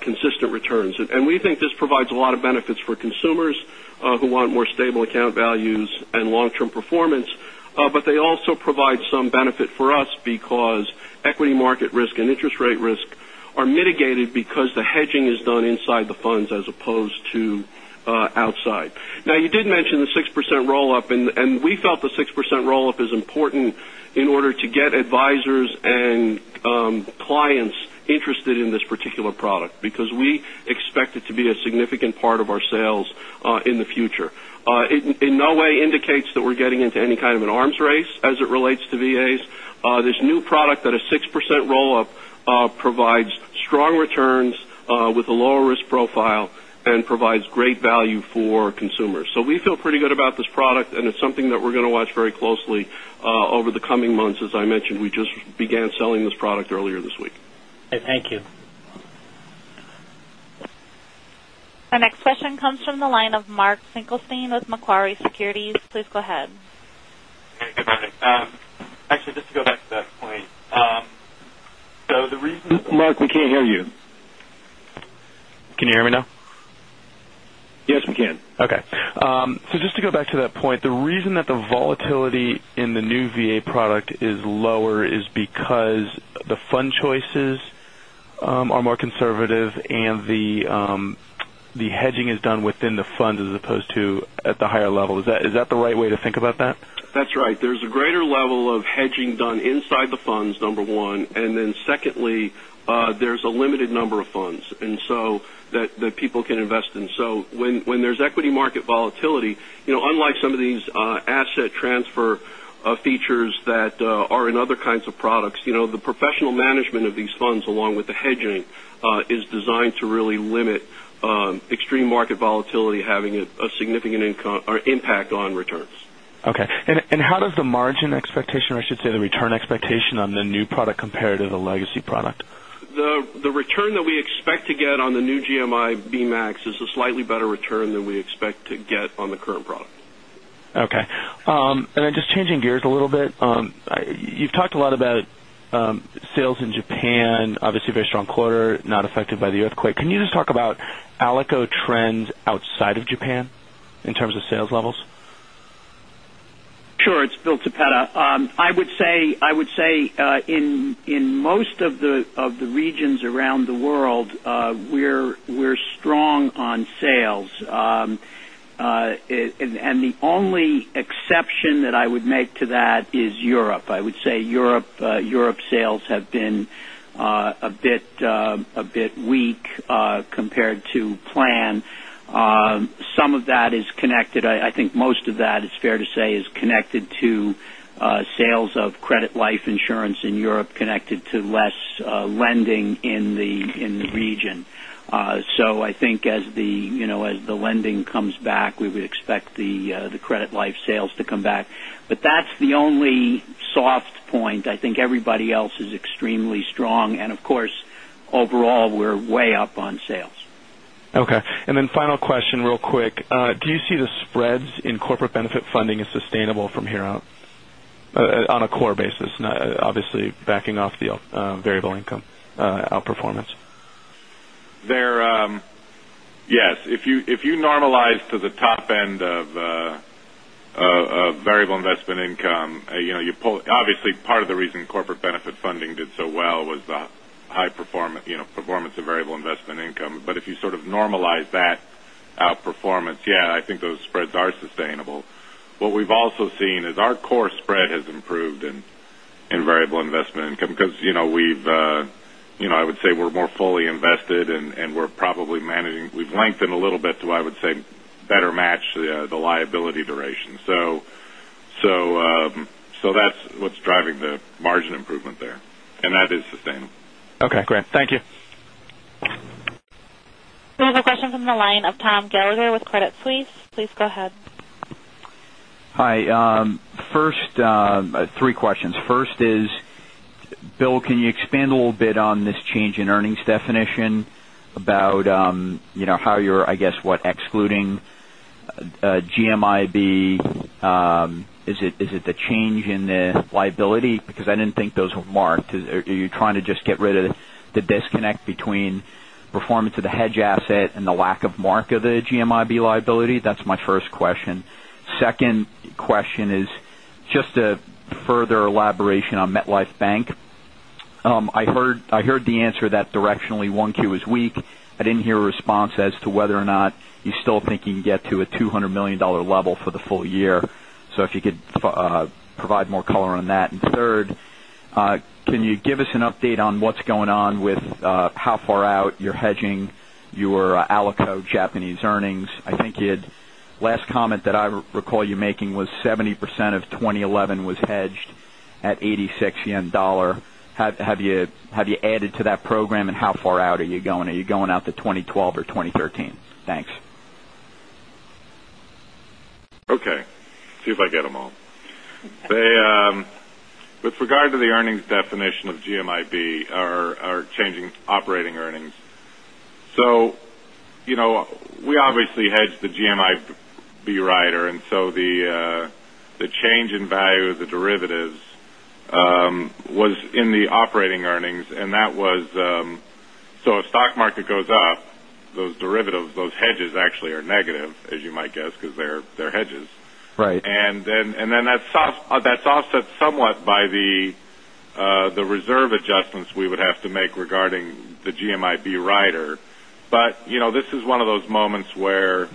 consistent returns. We think this provides a lot of benefits for consumers who want more stable account values and long-term performance. They also provide some benefit for us because equity market risk and interest rate risk are mitigated because the hedging is done inside the funds as opposed to outside. Now, you did mention the 6% roll-up. We felt the 6% roll-up is important in order to get advisors and clients interested in this particular product because we expect it to be a significant part of our sales in the future. It in no way indicates that we're getting into any kind of an arms race as it relates to VAs. This new product at a 6% roll-up provides strong returns with a lower risk profile and provides great value for consumers. We feel pretty good about this product, and it's something that we're going to watch very closely over the coming months. As I mentioned, we just began selling this product earlier this week. Thank you. Our next question comes from the line of Mark Finkelstein with Macquarie Securities. Please go ahead. Hey, good morning. Actually, just to go back to that point. The reason- Mark, we can't hear you. Can you hear me now? Yes, we can. Okay. Just to go back to that point, the reason that the volatility in the new VA product is lower is because the fund choices are more conservative and the hedging is done within the funds as opposed to at the higher level. Is that the right way to think about that? That's right. There's a greater level of hedging done inside the funds, number one, secondly, there's a limited number of funds that people can invest in. When there's equity market volatility, unlike some of these asset transfer features that are in other kinds of products, the professional management of these funds, along with the hedging, is designed to really limit extreme market volatility having a significant impact on returns. Okay. How does the margin expectation, or I should say, the return expectation on the new product compare to the legacy product? The return that we expect to get on the new GMIB Max is a slightly better return than we expect to get on the current product. Okay. Just changing gears a little bit. You've talked a lot about sales in Japan, obviously a very strong quarter, not affected by the earthquake. Can you just talk about Alico trends outside of Japan in terms of sales levels? Sure. It's Bill Toppeta. I would say, in most of the regions around the world, we're strong on sales. The only exception that I would make to that is Europe. I would say Europe sales have been a bit weak compared to plan. Some of that is connected. I think most of that, it's fair to say, is connected to sales of credit life insurance in Europe, connected to less lending in the region. I think as the lending comes back, we would expect the credit life sales to come back. That's the only soft point. I think everybody else is extremely strong. Of course, overall, we're way up on sales. Okay. Final question real quick. Do you see the spreads in corporate benefit funding as sustainable from here out on a core basis? Obviously, backing off the variable income outperformance. Yes. If you normalize to the top end of variable investment income, obviously part of the reason corporate benefit funding did so well was the high performance of variable investment income. If you sort of normalize that outperformance, yeah, I think those spreads are sustainable. What we've also seen is our core spread has improved in variable investment income because I would say we're more fully invested and we've lengthened a little bit to, I would say, better match the liability duration. That's what's driving the margin improvement there, and that is sustainable. Okay, great. Thank you. We have a question from the line of Tom Gallagher with Credit Suisse. Please go ahead. Hi. Three questions. First is, Bill, can you expand a little bit on this change in earnings definition about how you're, I guess, excluding GMIB? Is it the change in the liability? Because I didn't think those were marked. Are you trying to just get rid of the disconnect between performance of the hedge asset and the lack of mark of the GMIB liability? That's my first question. Second question is just a further elaboration on MetLife Bank. I heard the answer that directionally 1Q was weak. I didn't hear a response as to whether or not you still think you can get to a $200 million level for the full year. If you could provide more color on that. Third, can you give us an update on what's going on with how far out you're hedging your Alico Japanese earnings? I think the last comment that I recall you making was 70% of 2011 was hedged at 86 yen dollar. Have you added to that program, how far out are you going? Are you going out to 2012 or 2013? Thanks. Okay. See if I get them all. With regard to the earnings definition of GMIB are changing operating earnings. We obviously hedged the GMIB rider, the change in value of the derivatives was in the operating earnings. If stock market goes up, those derivatives, those hedges actually are negative, as you might guess, because they're hedges. Right. That's offset somewhat by the reserve adjustments we would have to make regarding the GMIB rider. This is one of those moments where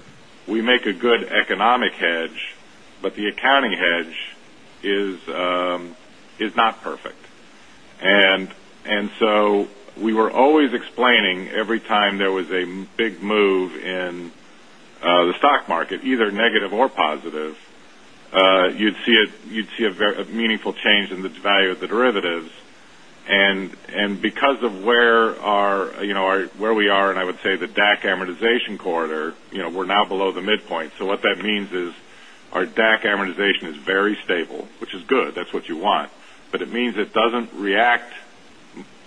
we make a good economic hedge, but the accounting hedge is not perfect. We were always explaining every time there was a big move in the stock market, either negative or positive, you'd see a meaningful change in the value of the derivatives. Because of where we are, and I would say the DAC amortization corridor, we're now below the midpoint. What that means is our DAC amortization is very stable, which is good. That's what you want. It means it doesn't react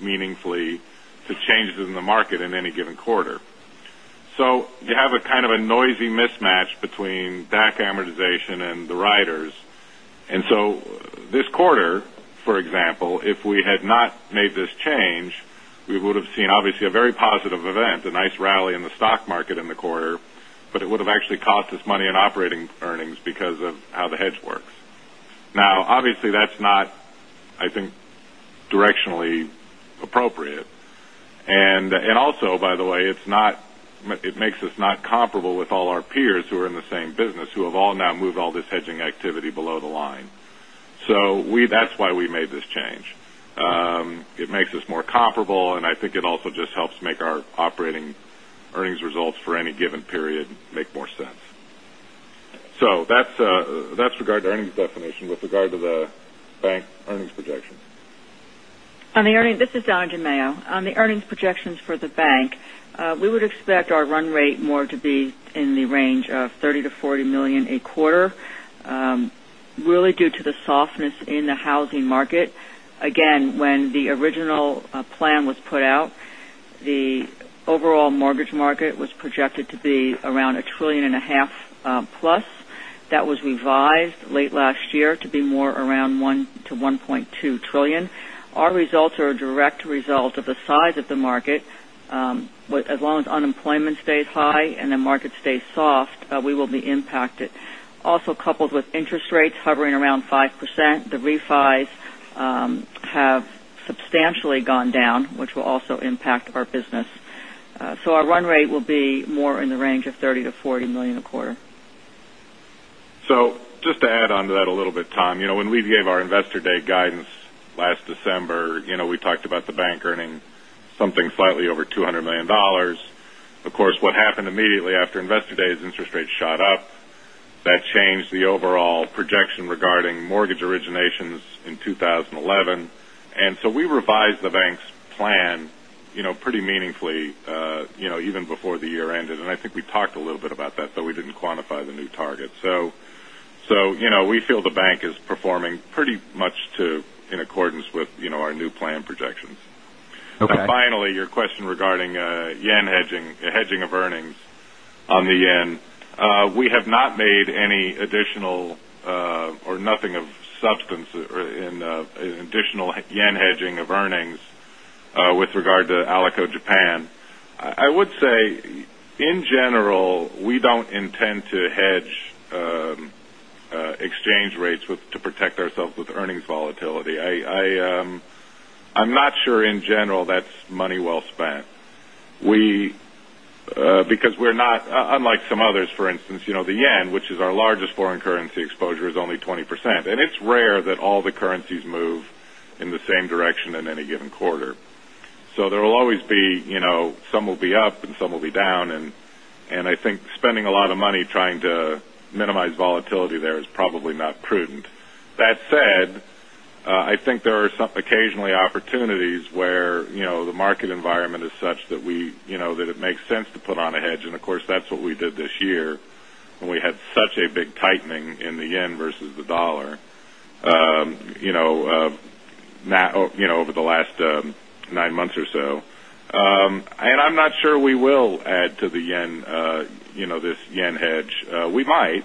meaningfully to changes in the market in any given quarter. You have a kind of a noisy mismatch between DAC amortization and the riders. This quarter, for example, if we had not made this change, we would have seen obviously a very positive event, a nice rally in the stock market in the quarter, but it would have actually cost us money in operating earnings because of how the hedge works. Obviously, that's not, I think, directionally appropriate. By the way, it makes us not comparable with all our peers who are in the same business, who have all now moved all this hedging activity below the line. That's why we made this change. It makes us more comparable, and I think it also just helps make our operating earnings results for any given period make more sense. That's regard to earnings definition. With regard to the bank earnings projections. This is Donna DeMaio. On the earnings projections for the bank, we would expect our run rate more to be in the range of $30 million-$40 million a quarter, really due to the softness in the housing market. Again, when the original plan was put out, the overall mortgage market was projected to be around a trillion and a half plus. That was revised late last year to be more around $1 trillion-$1.2 trillion. Our results are a direct result of the size of the market. As long as unemployment stays high and the market stays soft, we will be impacted. Also, coupled with interest rates hovering around 5%, the refis have substantially gone down, which will also impact our business. Our run rate will be more in the range of $30 million-$40 million a quarter. Just to add onto that a little bit, Tom. When we gave our Investor Day guidance last December, we talked about the bank earning something slightly over $200 million. Of course, what happened immediately after Investor Day is interest rates shot up. That changed the overall projection regarding mortgage originations in 2011. We revised the bank's plan pretty meaningfully, even before the year ended. I think we talked a little bit about that, though we didn't quantify the new target. We feel the bank is performing pretty much in accordance with our new plan projections. Okay. Finally, your question regarding JPY hedging of earnings on the JPY. We have not made any additional or nothing of substance in additional JPY hedging of earnings with regard to Alico Japan. I would say, in general, we don't intend to hedge exchange rates to protect ourselves with earnings volatility. I'm not sure, in general, that's money well spent. Because unlike some others, for instance, the JPY, which is our largest foreign currency exposure, is only 20%. It's rare that all the currencies move in the same direction in any given quarter. There will always be, some will be up and some will be down, and I think spending a lot of money trying to minimize volatility there is probably not prudent. That said, I think there are occasionally opportunities where the market environment is such that it makes sense to put on a hedge, and of course, that's what we did this year when we had such a big tightening in the yen versus the dollar over the last nine months or so. I'm not sure we will add to this yen hedge. We might,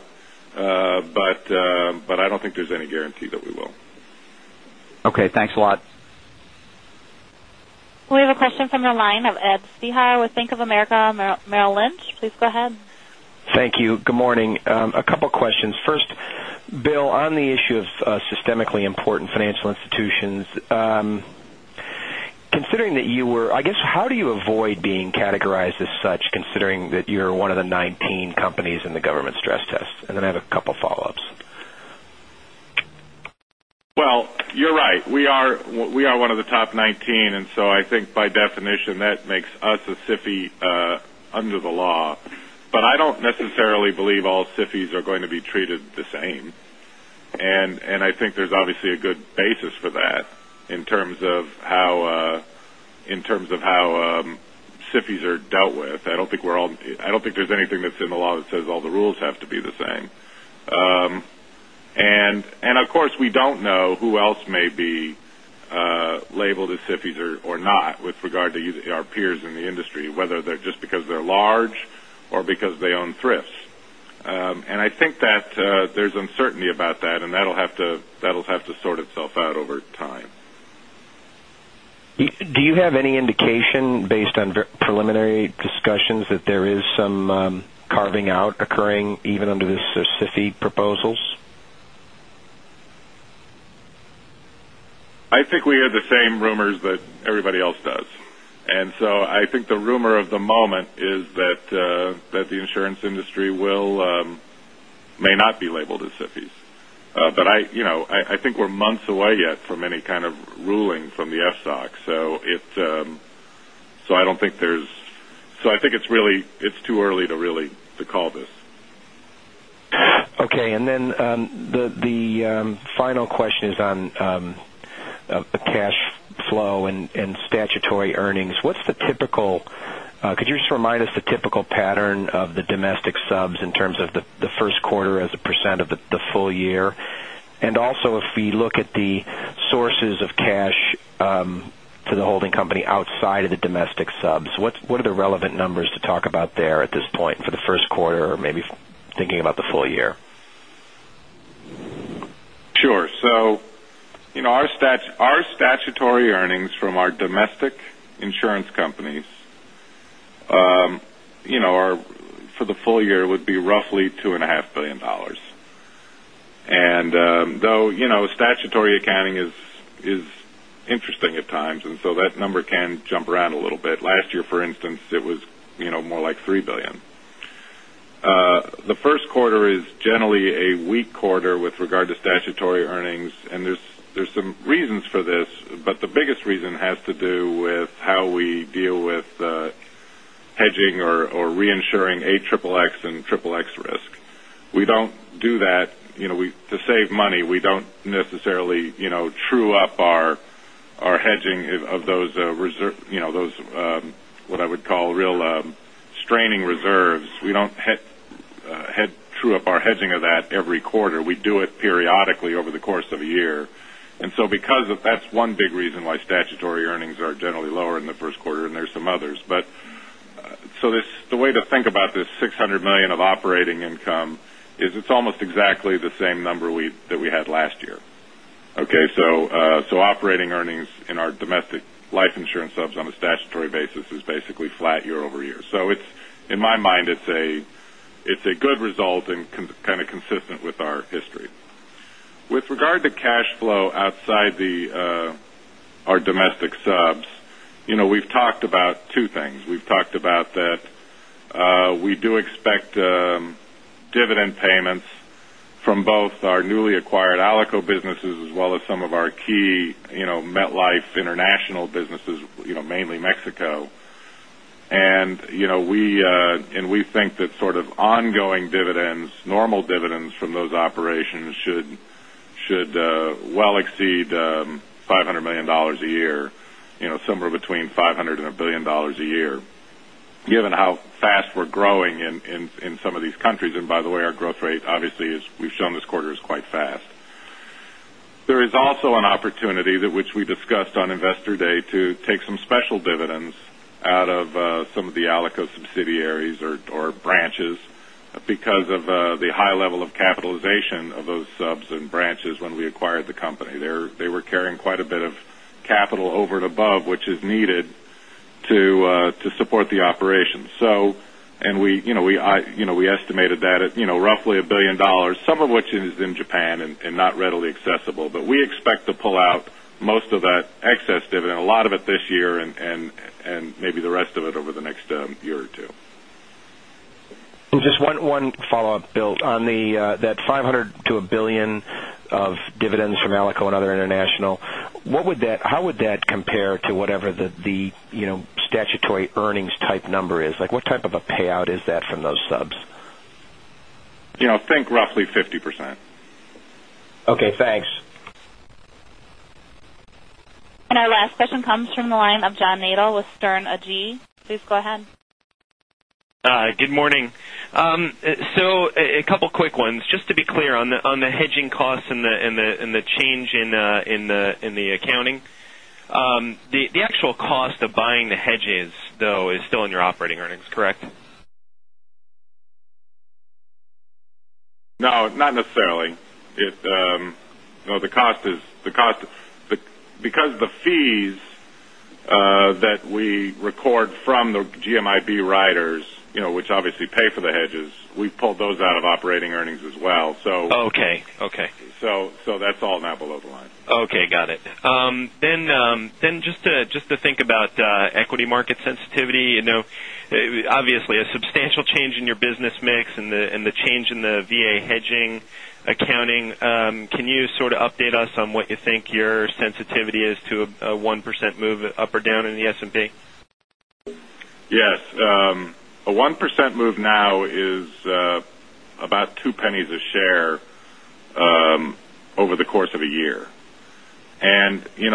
but I don't think there's any guarantee that we will. Okay, thanks a lot. We have a question from the line of Edward Spehar with Bank of America Merrill Lynch. Please go ahead. Thank you. Good morning. A couple questions. First, Bill, on the issue of systemically important financial institutions. I guess, how do you avoid being categorized as such, considering that you're one of the 19 companies in the government stress test? Then I have a couple follow-ups. You're right. We are one of the top 19, I think by definition, that makes us a SIFI under the law. I don't necessarily believe all SIFI are going to be treated the same. I think there's obviously a good basis for that in terms of how SIFI are dealt with. I don't think there's anything that's in the law that says all the rules have to be the same. Of course, we don't know who else may be labeled as SIFI or not with regard to our peers in the industry, whether they're just because they're large or because they own thrifts. I think that there's uncertainty about that, and that'll have to sort itself out over time. Do you have any indication, based on preliminary discussions, that there is some carving out occurring even under the SIFI proposals? I think we hear the same rumors that everybody else does. I think the rumor of the moment is that the insurance industry may not be labeled as SIFI. I think we're months away yet from any kind of ruling from the FSOC. I think it's too early to really call this. Okay, the final question is on cash flow and statutory earnings. Could you just remind us the typical pattern of the domestic subs in terms of the first quarter as a % of the full year? Also, if we look at the sources of cash to the holding company outside of the domestic subs, what are the relevant numbers to talk about there at this point for the first quarter or maybe thinking about the full year? Sure. Our statutory earnings from our domestic insurance companies for the full year would be roughly $2.5 billion. Though statutory accounting is interesting at times, that number can jump around a little bit. Last year, for instance, it was more like $3 billion. The first quarter is generally a weak quarter with regard to statutory earnings, there's some reasons for this, but the biggest reason has to do with how we deal with hedging or reinsuring AXXX and XXX risk. We don't do that. To save money, we don't necessarily true up our hedging of those what I would call real straining reserves. We don't true up our hedging of that every quarter. We do it periodically over the course of a year. That's one big reason why statutory earnings are generally lower in the first quarter, there's some others. The way to think about this $600 million of operating income is it's almost exactly the same number that we had last year. Okay? Operating earnings in our domestic life insurance subs on a statutory basis is basically flat year-over-year. In my mind, It's a good result and kind of consistent with our history. With regard to cash flow outside our domestic subs, we've talked about two things. We've talked about that we do expect dividend payments from both our newly acquired Alico businesses as well as some of our key MetLife international businesses, mainly Mexico. We think that sort of ongoing dividends, normal dividends from those operations should well exceed $500 million a year, somewhere between $500 million-$1 billion a year, given how fast we're growing in some of these countries. By the way, our growth rate obviously, as we've shown this quarter, is quite fast. There is also an opportunity that which we discussed on Investor Day to take some special dividends out of some of the Alico subsidiaries or branches because of the high level of capitalization of those subs and branches when we acquired the company. They were carrying quite a bit of capital over and above which is needed to support the operations. We estimated that at roughly $1 billion, some of which is in Japan and not readily accessible. We expect to pull out most of that excess dividend, a lot of it this year and maybe the rest of it over the next year or two. Just one follow-up, Bill. On that $500 million-$1 billion of dividends from Alico and other international, how would that compare to whatever the statutory earnings type number is? What type of a payout is that from those subs? Think roughly 50%. Okay, thanks. Our last question comes from the line of John Nadel with Sterne Agee. Please go ahead. Good morning. A couple of quick ones. Just to be clear on the hedging costs and the change in the accounting. The actual cost of buying the hedges, though, is still in your operating earnings, correct? No, not necessarily. The fees that we record from the GMIB riders, which obviously pay for the hedges, we pulled those out of operating earnings as well. Okay. That's all now below the line. Okay, got it. Just to think about equity market sensitivity, obviously a substantial change in your business mix and the change in the VA hedging accounting. Can you sort of update us on what you think your sensitivity is to a 1% move up or down in the S&P? Yes. A 1% move now is about $0.02 a share over the course of a year.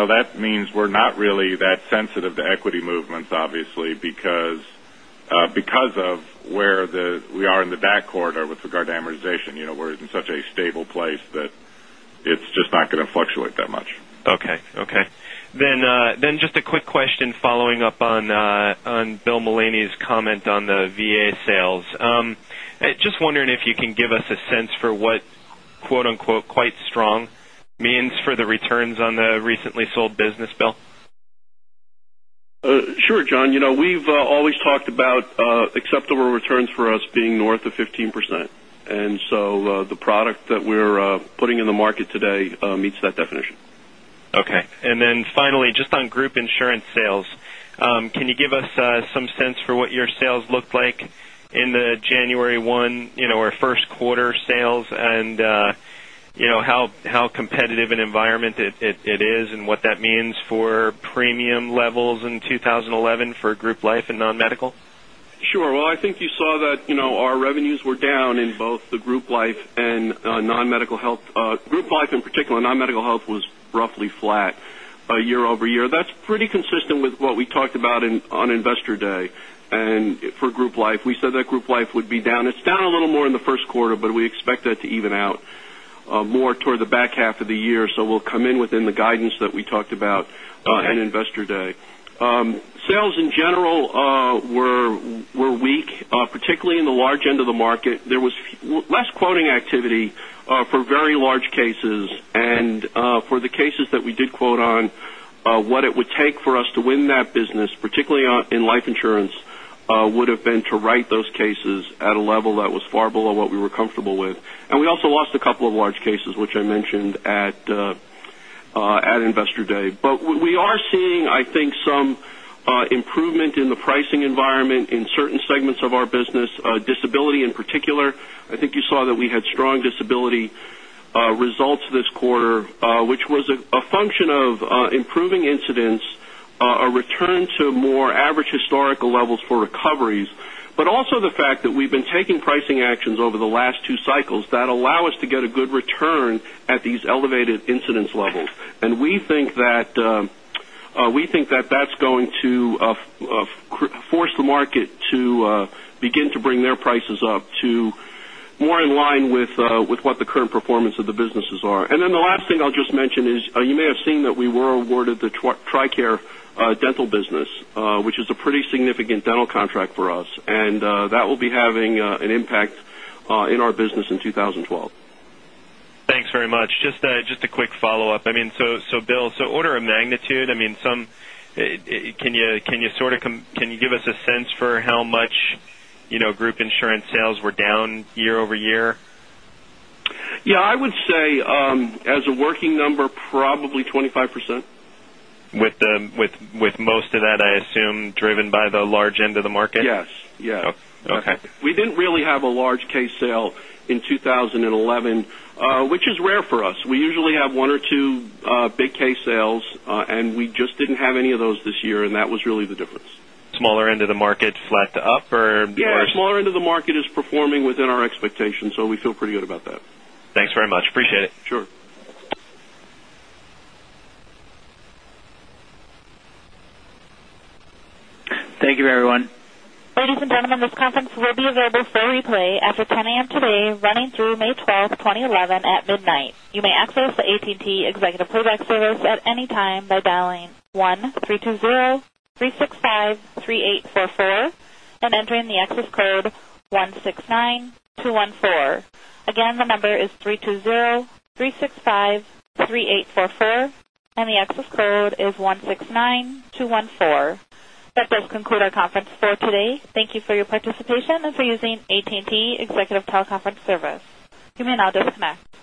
That means we're not really that sensitive to equity movements, obviously, because of where we are in the back quarter with regard to amortization. We're in such a stable place that it's just not going to fluctuate that much. Okay. Just a quick question following up on Bill Mullaney's comment on the VA sales. Just wondering if you can give us a sense for what "quite strong" means for the returns on the recently sold business, Bill. Sure, John. We've always talked about acceptable returns for us being north of 15%. The product that we're putting in the market today meets that definition. Okay. Finally, just on group insurance sales, can you give us some sense for what your sales looked like in the January 1 or first quarter sales, and how competitive an environment it is and what that means for premium levels in 2011 for group life and non-medical? Sure. Well, I think you saw that our revenues were down in both the group life and non-medical health. Group life in particular, non-medical health was roughly flat year-over-year. That's pretty consistent with what we talked about on Investor Day for group life. We said that group life would be down. It's down a little more in the first quarter, but we expect that to even out more toward the back half of the year. We'll come in within the guidance that we talked about on Investor Day. Sales in general were weak, particularly in the large end of the market. There was less quoting activity for very large cases. For the cases that we did quote on, what it would take for us to win that business, particularly in life insurance, would have been to write those cases at a level that was far below what we were comfortable with. We also lost a couple of large cases, which I mentioned at Investor Day. We are seeing, I think, some improvement in the pricing environment in certain segments of our business. Disability in particular, I think you saw that we had strong Disability results this quarter, which was a function of improving incidents, a return to more average historical levels for recoveries. Also the fact that we've been taking pricing actions over the last two cycles that allow us to get a good return at these elevated incidence levels. We think that that's going to force the market to begin to bring their prices up to more in line with what the current performance of the businesses are. The last thing I'll just mention is, you may have seen that we were awarded the TRICARE dental business, which is a pretty significant dental contract for us, and that will be having an impact in our business in 2012. Thanks very much. Just a quick follow-up. Bill, order of magnitude, can you give us a sense for how much group insurance sales were down year-over-year? Yeah, I would say as a working number, probably 25%. With most of that, I assume, driven by the large end of the market? Yes. Okay. We didn't really have a large case sale in 2011, which is rare for us. We usually have one or two big case sales. We just didn't have any of those this year. That was really the difference. Smaller end of the market, flat to up. Yeah, smaller end of the market is performing within our expectations, so we feel pretty good about that. Thanks very much. Appreciate it. Sure. Thank you, everyone. Ladies and gentlemen, this conference will be available for replay after 10:00 A.M. today running through May 12th, 2011, at midnight. You may access the AT&T Executive Replay service at any time by dialing 1-320-365-3844 and entering the access code 169214. Again, the number is 320-365-3844, and the access code is 169214. That does conclude our conference for today. Thank you for your participation and for using AT&T Executive Teleconference Service. You may now disconnect.